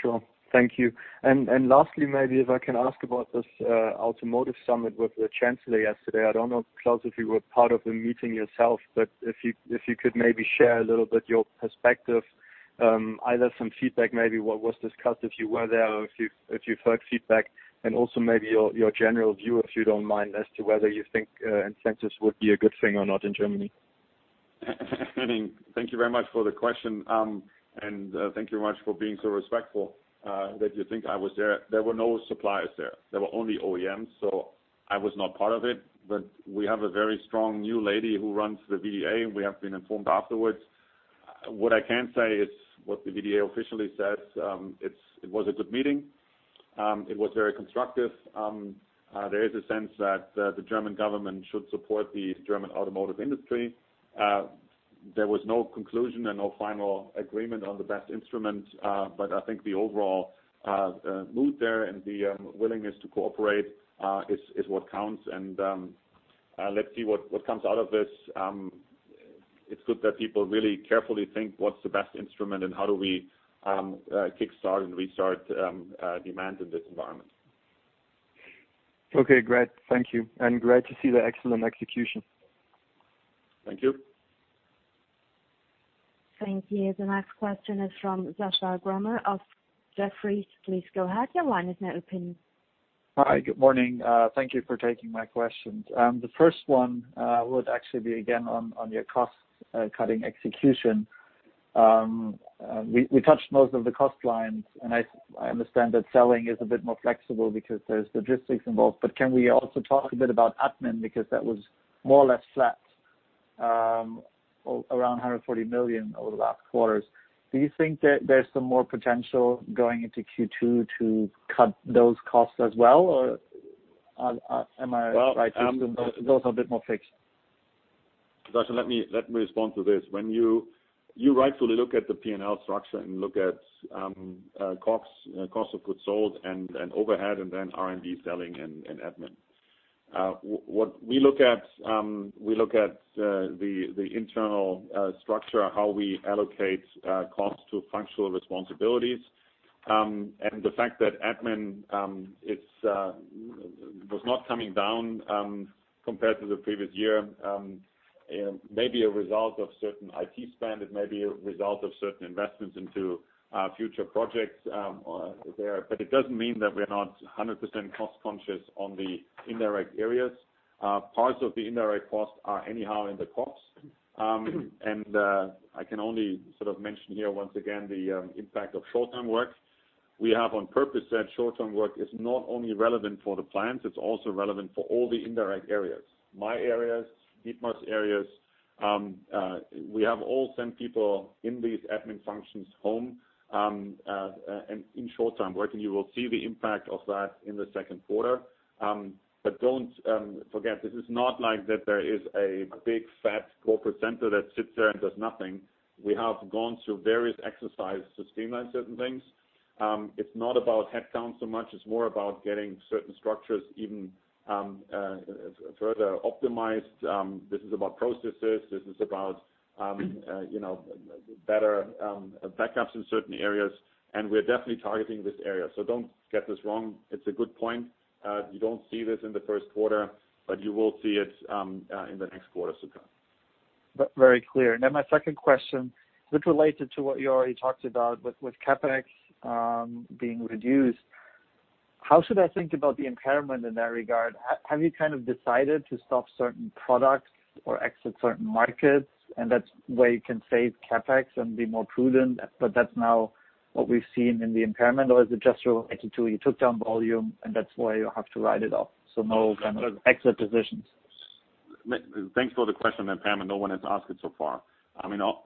Sure. Thank you. Lastly, maybe if I can ask about this automotive summit with the chancellor yesterday. I don't know, Klaus, if you were part of the meeting yourself, but if you could maybe share a little bit your perspective. Either some feedback, maybe what was discussed if you were there, or if you've heard feedback, and also maybe your general view, if you don't mind, as to whether you think incentives would be a good thing or not in Germany. Thank you very much for the question. Thank you very much for being so respectful, that you think I was there. There were no suppliers there. There were only OEMs. I was not part of it, but we have a very strong new lady who runs the VDA. We have been informed afterwards. What I can say is what the VDA officially says, it was a good meeting. It was very constructive. There is a sense that the German government should support the German automotive industry. There was no conclusion and no final agreement on the best instrument. I think the overall mood there and the willingness to cooperate is what counts and let's see what comes out of this. It's good that people really carefully think of what's the best instrument and how do we kickstart and restart demand in this environment. Okay, great. Thank you, and great to see the excellent execution. Thank you. Thank you. The next question is from Joshua Kramer of Jefferies. Please go ahead. Your line is now open. Hi, good morning. Thank you for taking my questions. The first one would actually be again on your cost-cutting execution. We touched most of the cost lines. I understand that selling is a bit more flexible because there's logistics involved. Can we also talk a bit about admin because that was more or less flat, around 140 million over the last quarters. Do you think that there's some more potential going into Q2 to cut those costs as well? Am I right to assume those are a bit more fixed? Joshua, let me respond to this. When you rightfully look at the P&L structure and look at COGS, cost of goods sold, and overhead and then R&D selling and admin, what we look at, we look at the internal structure, how we allocate costs to functional responsibilities. The fact that admin was not coming down compared to the previous year may be a result of certain IT spend. It may be a result of certain investments into future projects there, but it doesn't mean that we're not 100% cost-conscious on the indirect areas. Parts of the indirect costs are anyhow in the COGS. I can only sort of mention here once again the impact of short-term work. We have on purpose said short-term work is not only relevant for the plants, it's also relevant for all the indirect areas, my areas, Dietmar's areas. We have all sent people in these admin functions home, and in short-term work, and you will see the impact of that in the second quarter. Don't forget, this is not like that there is a big fat corporate center that sits there and does nothing. We have gone through various exercises to streamline certain things. It's not about headcount so much. It's more about getting certain structures even further optimized. This is about processes. This is about better backups in certain areas, and we're definitely targeting this area. Don't get this wrong. It's a good point. You don't see this in the first quarter, but you will see it in the next quarters to come. Very clear. My second question, which related to what you already talked about with CapEx being reduced. How should I think about the impairment in that regard? Have you kind of decided to stop certain products or exit certain markets, and that's where you can save CapEx and be more prudent, but that's now what we've seen in the impairment? Or is it just related to you took down volume and that's why you have to write it off? No kind of exit decisions. Thanks for the question on impairment. No one has asked it so far.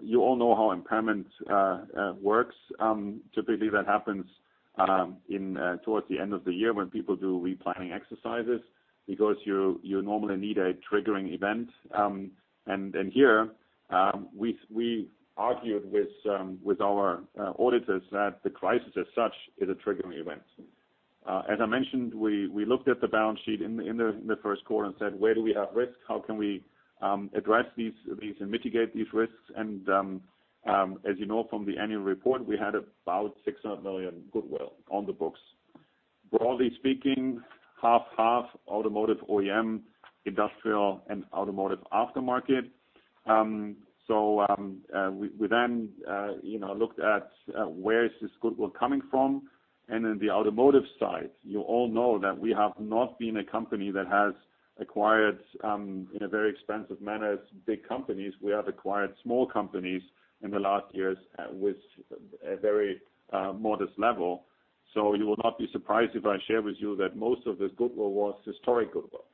You all know how impairment works. Typically, that happens towards the end of the year when people do re-planning exercises because you normally need a triggering event. Here, we argued with our auditors that the crisis as such is a triggering event. As I mentioned, we looked at the balance sheet in the first quarter and said, "Where do we have risks? How can we address these and mitigate these risks?" As you know from the annual report, we had about 600 million goodwill on the books. Broadly speaking, half-half automotive OEM, Industrial, and Automotive Aftermarket. We then looked at where is this goodwill coming from. In the automotive side, you all know that we have not been a company that has acquired, in a very expensive manner, big companies. We have acquired small companies in the last years with a very modest level. You will not be surprised if I share with you that most of this goodwill was historic goodwill.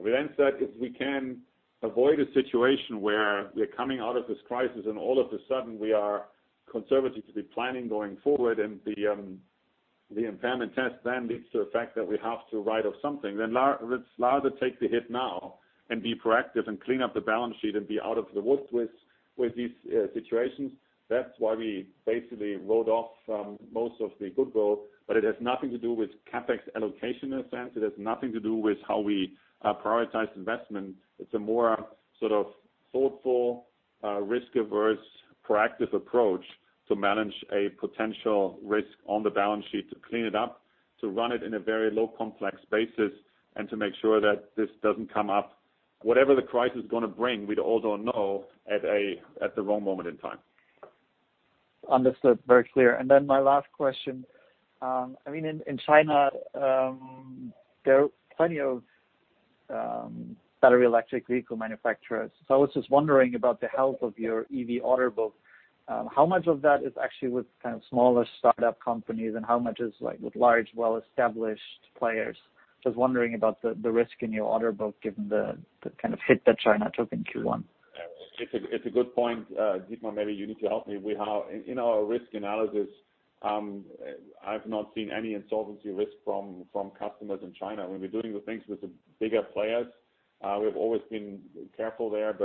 We then said if we can avoid a situation where we are coming out of this crisis and all of a sudden we are conservative to be planning going forward and the impairment test then leads to the fact that we have to write off something, then let's rather take the hit now and be proactive and clean up the balance sheet and be out of the woods with these situations. That's why we basically wrote off most of the goodwill, but it has nothing to do with CapEx allocation in a sense. It has nothing to do with how we prioritize investment. It's a more sort of thoughtful, risk-averse, proactive approach to manage a potential risk on the balance sheet to clean it up, to run it in a very low complex basis, and to make sure that this doesn't come up. Whatever the crisis is going to bring, we also know at the wrong moment in time. Understood. Very clear. My last question. In China, there are plenty of battery electric vehicle manufacturers. I was just wondering about the health of your EV order book. How much of that is actually with smaller startup companies, and how much is with large, well-established players? Just wondering about the risk in your order book, given the hit that China took in Q1. It's a good point, Dietmar, maybe you need to help me. In our risk analysis, I've not seen any insolvency risk from customers in China. When we're doing the things with the bigger players, we have always been careful there.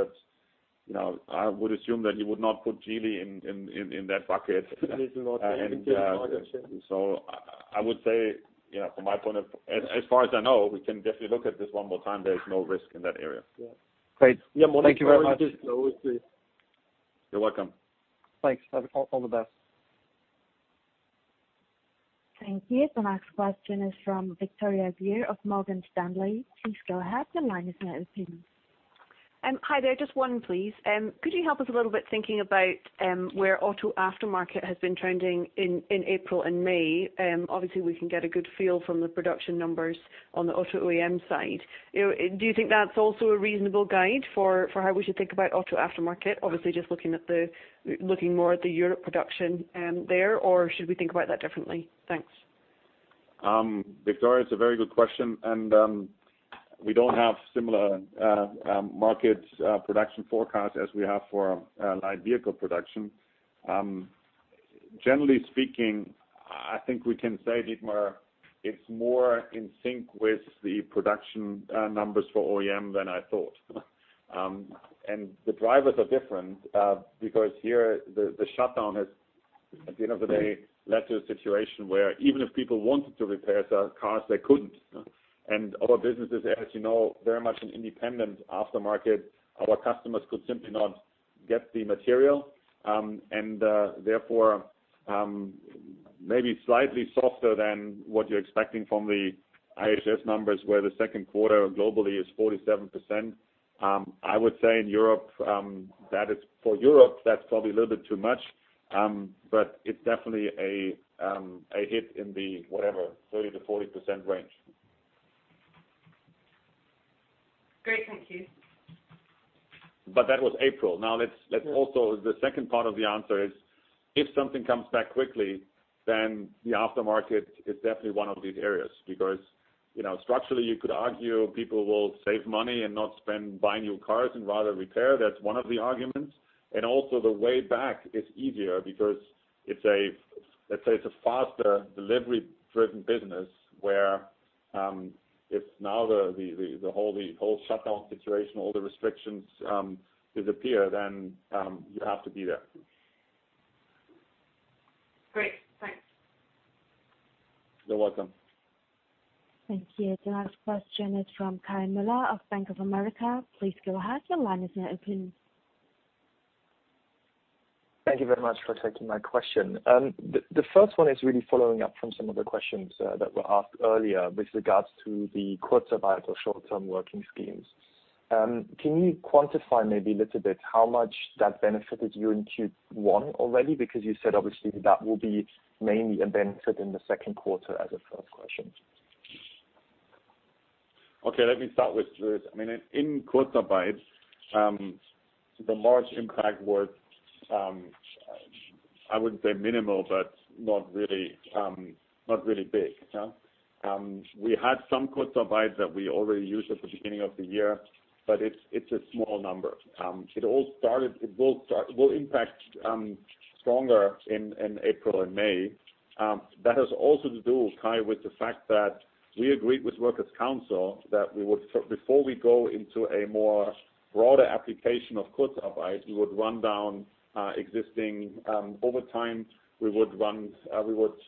I would assume that you would not put Geely in that bucket. It is not- And- I would say, as far as I know, we can definitely look at this one more time. There is no risk in that area. Yeah. Great. Thank you very much. You're welcome. Thanks. All the best. Thank you. The next question is from Victoria Greer of Morgan Stanley. Please go ahead, your line is now open. Hi there. Just one please. Could you help us a little bit thinking about where auto aftermarket has been trending in April and May? We can get a good feel from the production numbers on the auto OEM side. Do you think that is also a reasonable guide for how we should think about auto aftermarket? Just looking more at the Europe production there, or should we think about that differently? Thanks. Victoria, it's a very good question. We don't have similar market production forecast as we have for light vehicle production. Generally speaking, I think we can say, Dietmar, it's more in sync with the production numbers for OEM than I thought. The drivers are different, because here the shutdown has, at the end of the day, led to a situation where even if people wanted to repair their cars, they couldn't. Our business is, as you know, very much an independent aftermarket. Our customers could simply not get the material, and therefore, maybe slightly softer than what you're expecting from the IHS numbers, where the second quarter globally is 47%. I would say for Europe, that's probably a little bit too much. It's definitely a hit in the, whatever, 30%-40% range. Great. Thank you. That was April. The second part of the answer is, if something comes back quickly, then the aftermarket is definitely one of these areas. Structurally, you could argue people will save money and not spend buying new cars and rather repair. That's one of the arguments. Also the way back is easier because, let's say it's a faster delivery-driven business, where if now the whole shutdown situation, all the restrictions disappear, then you have to be there. Great, thanks. You're welcome. Thank you. The next question is from Kai Mueller of Bank of America. Please go ahead, your line is now open. Thank you very much for taking my question. The first one is really following up from some of the questions that were asked earlier with regards to the Kurzarbeit or short-term working schemes. Can you quantify maybe a little bit how much that benefited you in Q1 already? Because you said obviously that will be mainly a benefit in the second quarter as a first question. Okay, let me start with Lewis. In Kurzarbeit, the large impact was, I wouldn't say minimal, but not really big. We had some Kurzarbeit that we already used at the beginning of the year. It's a small number. It will impact stronger in April and May. That has also to do, Kai, with the fact that we agreed with workers' council that before we go into a more broader application of Kurzarbeit, we would run down existing overtime. We would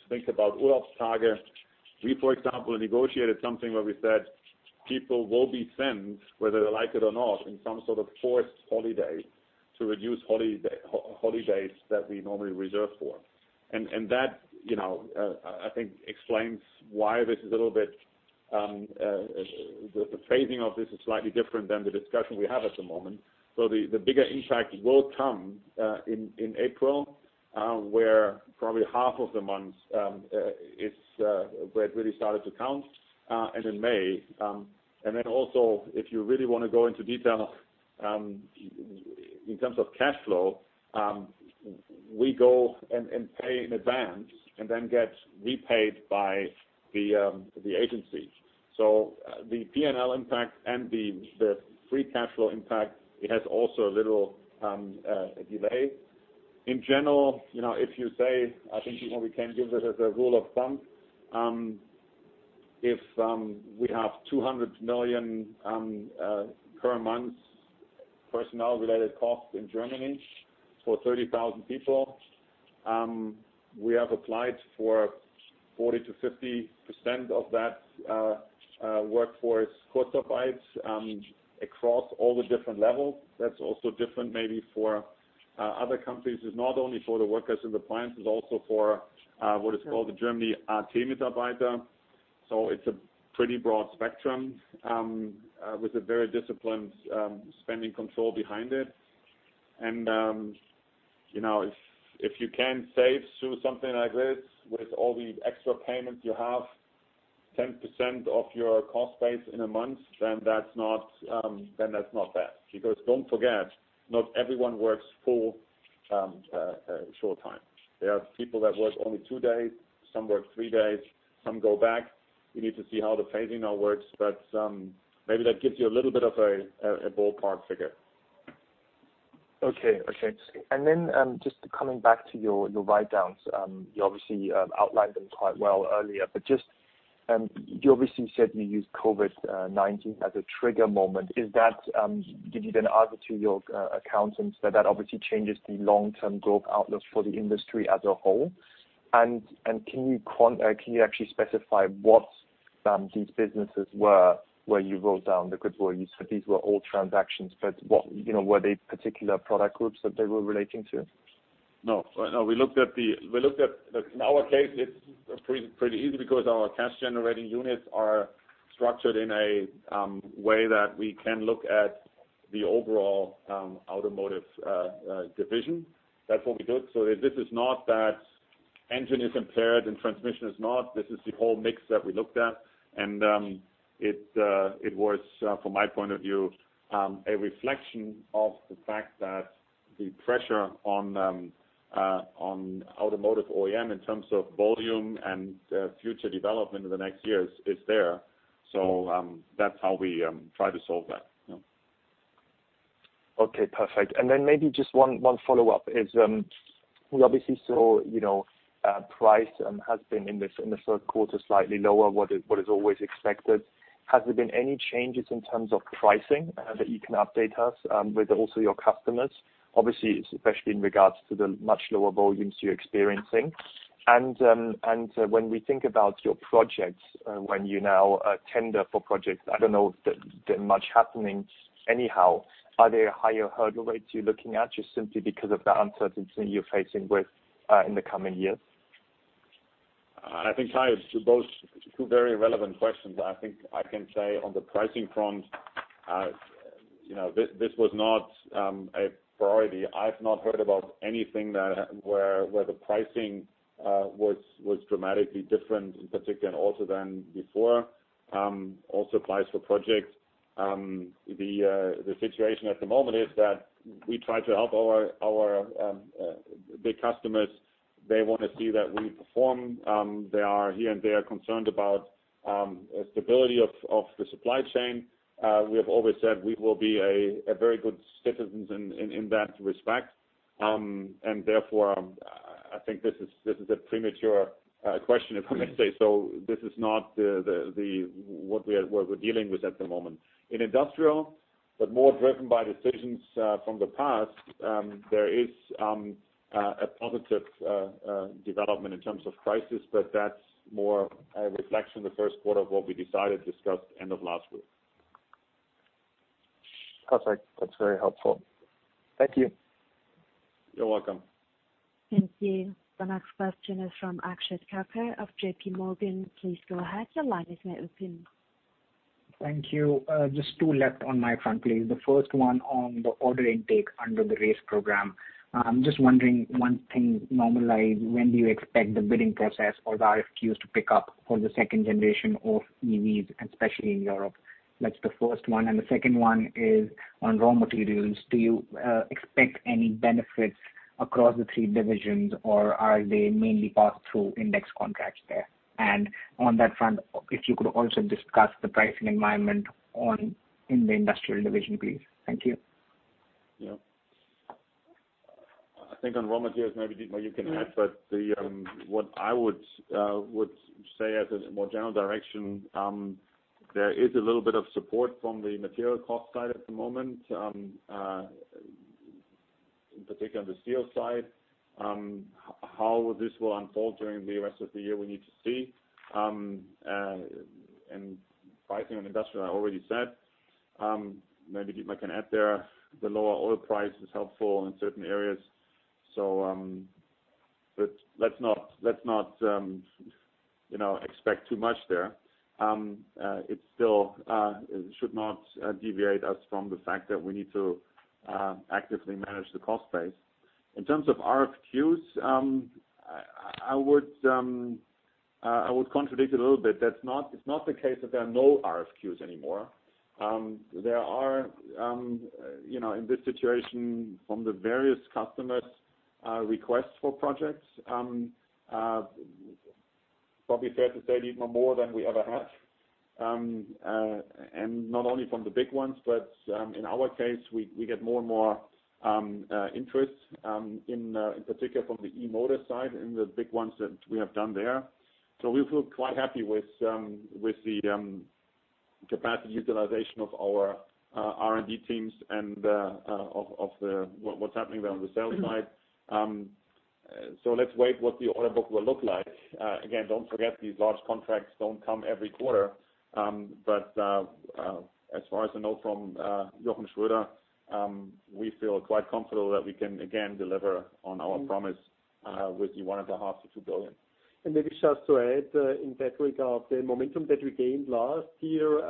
think about Urlaubstage. We, for example, negotiated something where we said people will be sent, whether they like it or not, in some sort of forced holiday to reduce holidays that we normally reserve for. That I think explains why the phasing of this is slightly different than the discussion we have at the moment. The bigger impact will come in April, where probably half of the month is where it really started to count, and in May. If you really want to go into detail in terms of cash flow, we go and pay in advance and then get repaid by the agency. The P&L impact and the free cash flow impact, it has also a little delay. In general, if you say, I think we can give it as a rule of thumb. If we have 200 million per month personnel-related cost in Germany for 30,000 people, we have applied for 40%-50% of that workforce Kurzarbeit across all the different levels. That's also different maybe for other companies is not only for the workers in the plants, it's also for what is called the Germany. It's a pretty broad spectrum with a very disciplined spending control behind it. If you can save through something like this with all the extra payments you have, 10% of your cost base in a month, then that's not bad. Don't forget, not everyone works full short time. There are people that work only two days, some work three days, some go back. We need to see how the phasing now works. Maybe that gives you a little bit of a ballpark figure. Okay. Just coming back to your write-downs. You obviously outlined them quite well earlier, but you obviously said you used COVID-19 as a trigger moment. Did you then argue to your accountants that that obviously changes the long-term growth outlook for the industry as a whole? Can you actually specify what these businesses were, where you wrote down the goodwill? You said these were all transactions, but were they particular product groups that they were relating to? No. In our case, it's pretty easy because our cash-generating units are structured in a way that we can look at the overall automotive division. That's what we did. This is not that engine is impaired and transmission is not. This is the whole mix that we looked at. It was, from my point of view, a reflection of the fact that the pressure on automotive OEM in terms of volume and future development in the next years is there. That's how we try to solve that. Okay, perfect. Maybe just one follow-up is, we obviously saw price has been in the third quarter slightly lower, what is always expected. Has there been any changes in terms of pricing that you can update us with also your customers? Obviously, especially in regards to the much lower volumes you're experiencing. When we think about your projects, when you now tender for projects, I don't know that much happening anyhow. Are there higher hurdle rates you're looking at just simply because of the uncertainty you're facing with in the coming years? I think, Kai, those are two very relevant questions. I think I can say on the pricing front, this was not a priority. I've not heard about anything where the pricing was dramatically different in particular and also than before. Also applies for projects. The situation at the moment is that we try to help our big customers. They want to see that we perform. They are here and they are concerned about stability of the supply chain. We have always said we will be a very good citizen in that respect. Therefore, I think this is a premature question, if I may say. This is not what we're dealing with at the moment. In Industrial, but more driven by decisions from the past, there is a positive development in terms of prices, but that's more a reflection of the first quarter of what we decided, discussed end of last week. Perfect. That's very helpful. Thank you. You're welcome. Thank you. The next question is from Akshat Kacker of JP Morgan. Please go ahead. Your line is now open. Thank you. Just two left on my front, please. The first one on the order intake under the RACE program. I'm just wondering, one thing normalized, when do you expect the bidding process or the RFQs to pick up for the second generation of EVs, especially in Europe? That's the first one. The second one is on raw materials. Do you expect any benefits across the three divisions or are they mainly passed through index contracts there? On that front, if you could also discuss the pricing environment in the industrial division, please. Thank you. I think on raw materials, maybe Dietmar you can add, but what I would say as a more general direction, there is a little bit of support from the material cost side at the moment. In particular, the steel side. How this will unfold during the rest of the year, we need to see. Pricing on industrial, I already said. Maybe Dietmar can add there. The lower oil price is helpful in certain areas. Let's not expect too much there. It should not deviate us from the fact that we need to actively manage the cost base. In terms of RFQs, I would contradict a little bit. It's not the case that there are no RFQs anymore. There are, in this situation, from the various customers, requests for projects. Probably fair to say, Dietmar, more than we ever had. Not only from the big ones, but in our case, we get more and more interest, in particular from the e-motor side and the big ones that we have done there. We feel quite happy with the capacity utilization of our R&D teams and what's happening there on the sales side. So let's wait what the order book will look like. Again, don't forget these large contracts don't come every quarter. As far as I know from Jochen Schröder, we feel quite comfortable that we can, again, deliver on our promise with one and a half to two billion. Maybe just to add in that regard, the momentum that we gained last year,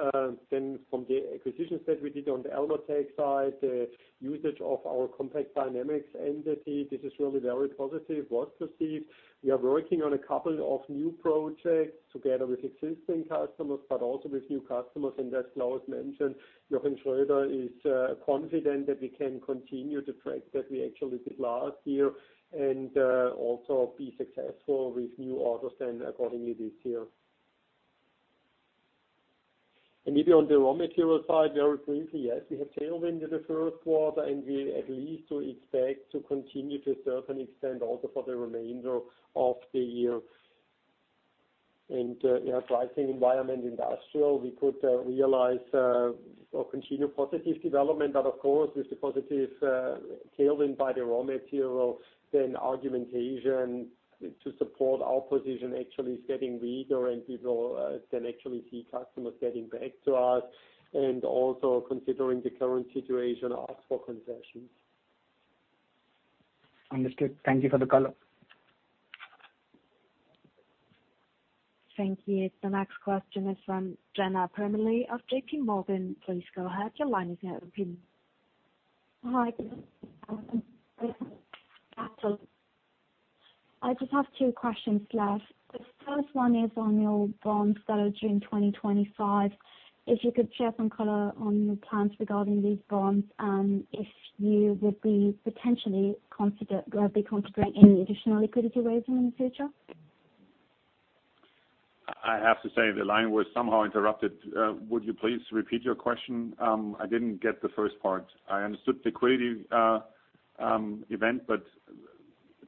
then from the acquisitions that we did on the Elmotec side, the usage of our Compact Dynamics entity, this is really very positive, was perceived. We are working on a couple of new projects together with existing customers, but also with new customers. As Klaus mentioned, Jochen Schröder is confident that we can continue the track that we actually did last year and also be successful with new orders then accordingly this year. Maybe on the raw material side, very briefly, yes, we have tailwind in the first quarter, and we at least do expect to continue to a certain extent also for the remainder of the year. Pricing environment industrial, we could realize or continue positive development. Of course, with the positive tailwind by the raw material, then argumentation to support our position actually is getting weaker and we will then actually see customers getting back to us, and also considering the current situation, ask for concessions. Understood. Thank you for the color. Thank you. The next question is from Jenna Permarly of JP Morgan. Please go ahead. Your line is now open. Hi. I just have two questions left. The first one is on your bonds that are due in 2025. If you could share some color on your plans regarding these bonds and if you would be potentially considering any additional liquidity raising in the future? I have to say the line was somehow interrupted. Would you please repeat your question? I didn't get the first part. I understood the query event, but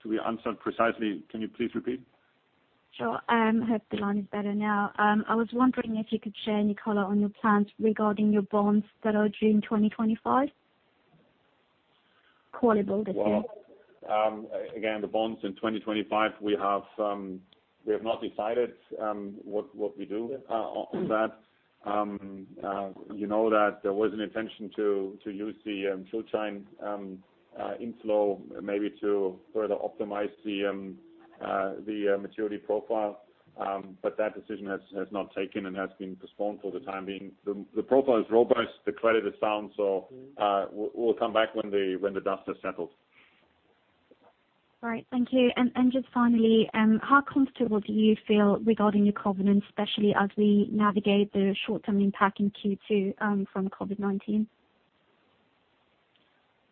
to be answered precisely, can you please repeat? Sure. I hope the line is better now. I was wondering if you could share any color on your plans regarding your bonds that are due in 2025. Callable this year. Again, the bonds in 2025, we have not decided what we do on that. You know that there was an intention to use the Schuldschein inflow maybe to further optimize the maturity profile. That decision has not taken and has been postponed for the time being. The profile is robust, the credit is sound, we'll come back when the dust has settled. All right. Thank you. Just finally, how comfortable do you feel regarding your covenants, especially as we navigate the short-term impact in Q2 from COVID-19?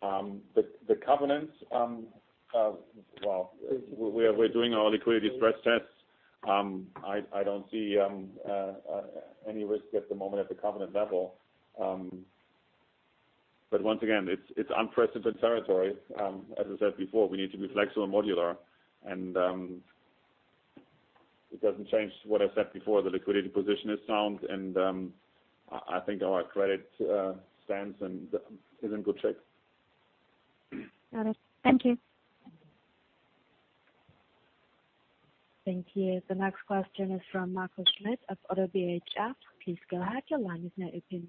The covenants, well, we're doing our liquidity stress tests. I don't see any risk at the moment at the covenant level. Once again, it's unprecedented territory. As I said before, we need to be flexible and modular. It doesn't change what I said before. The liquidity position is sound, and I think our credit stands and is in good shape. Got it. Thank you. Thank you. The next question is from Markus Schmitt of ODDO BHF. Please go ahead. Your line is now open.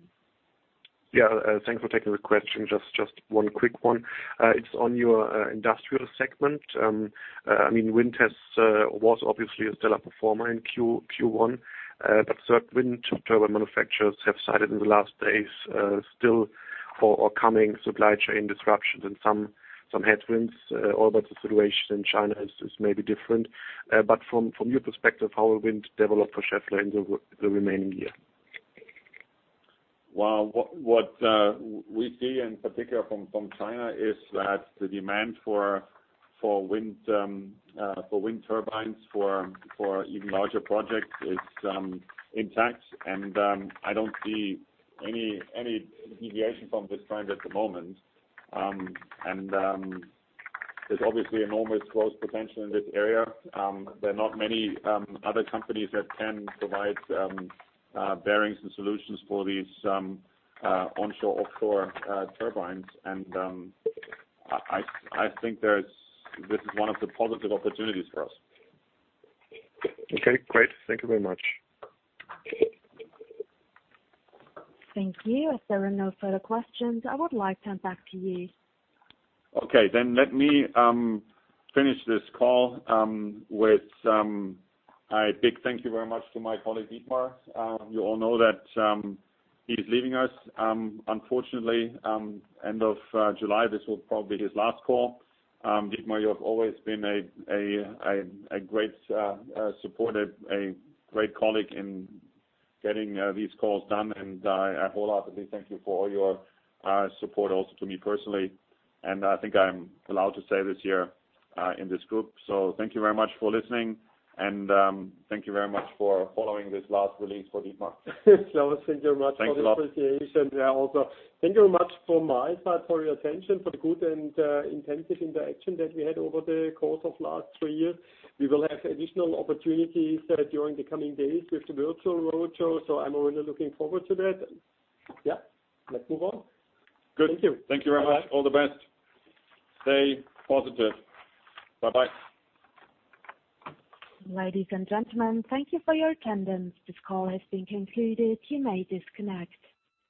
Yeah. Thanks for taking the question. Just one quick one. It's on your industrial segment. I mean, wind was obviously a stellar performer in Q1. Certain wind turbine manufacturers have cited in the last days still for upcoming supply chain disruptions and some headwinds, although the situation in China is maybe different. From your perspective, how will wind develop for Schaeffler in the remaining year? Well, what we see in particular from China is that the demand for Wind turbines for even larger projects is intact, I don't see any deviation from this trend at the moment. There's obviously enormous growth potential in this area. There are not many other companies that can provide bearings and solutions for these onshore/offshore turbines. I think this is one of the positive opportunities for us. Okay, great. Thank you very much. Thank you. As there are no further questions, I would like to hand back to you. Okay, let me finish this call with a big thank you very much to my colleague, Dietmar. You all know that he's leaving us, unfortunately. End of July, this will probably be his last call. Dietmar, you have always been a great support, a great colleague in getting these calls done, and I wholeheartedly thank you for all your support also to me personally, and I think I'm allowed to say this here in this group. Thank you very much for listening, and thank you very much for following this last release for Dietmar. Klaus, thank you very much for the appreciation. Thanks a lot. Thank you very much from my side for your attention, for the good and intensive interaction that we had over the course of last three years. We will have additional opportunities during the coming days with the virtual roadshow, so I'm already looking forward to that. Let's move on. Good. Thank you. Bye-bye. Thank you very much. All the best. Stay positive. Bye-bye. Ladies and gentlemen, thank you for your attendance. This call has been concluded. You may disconnect.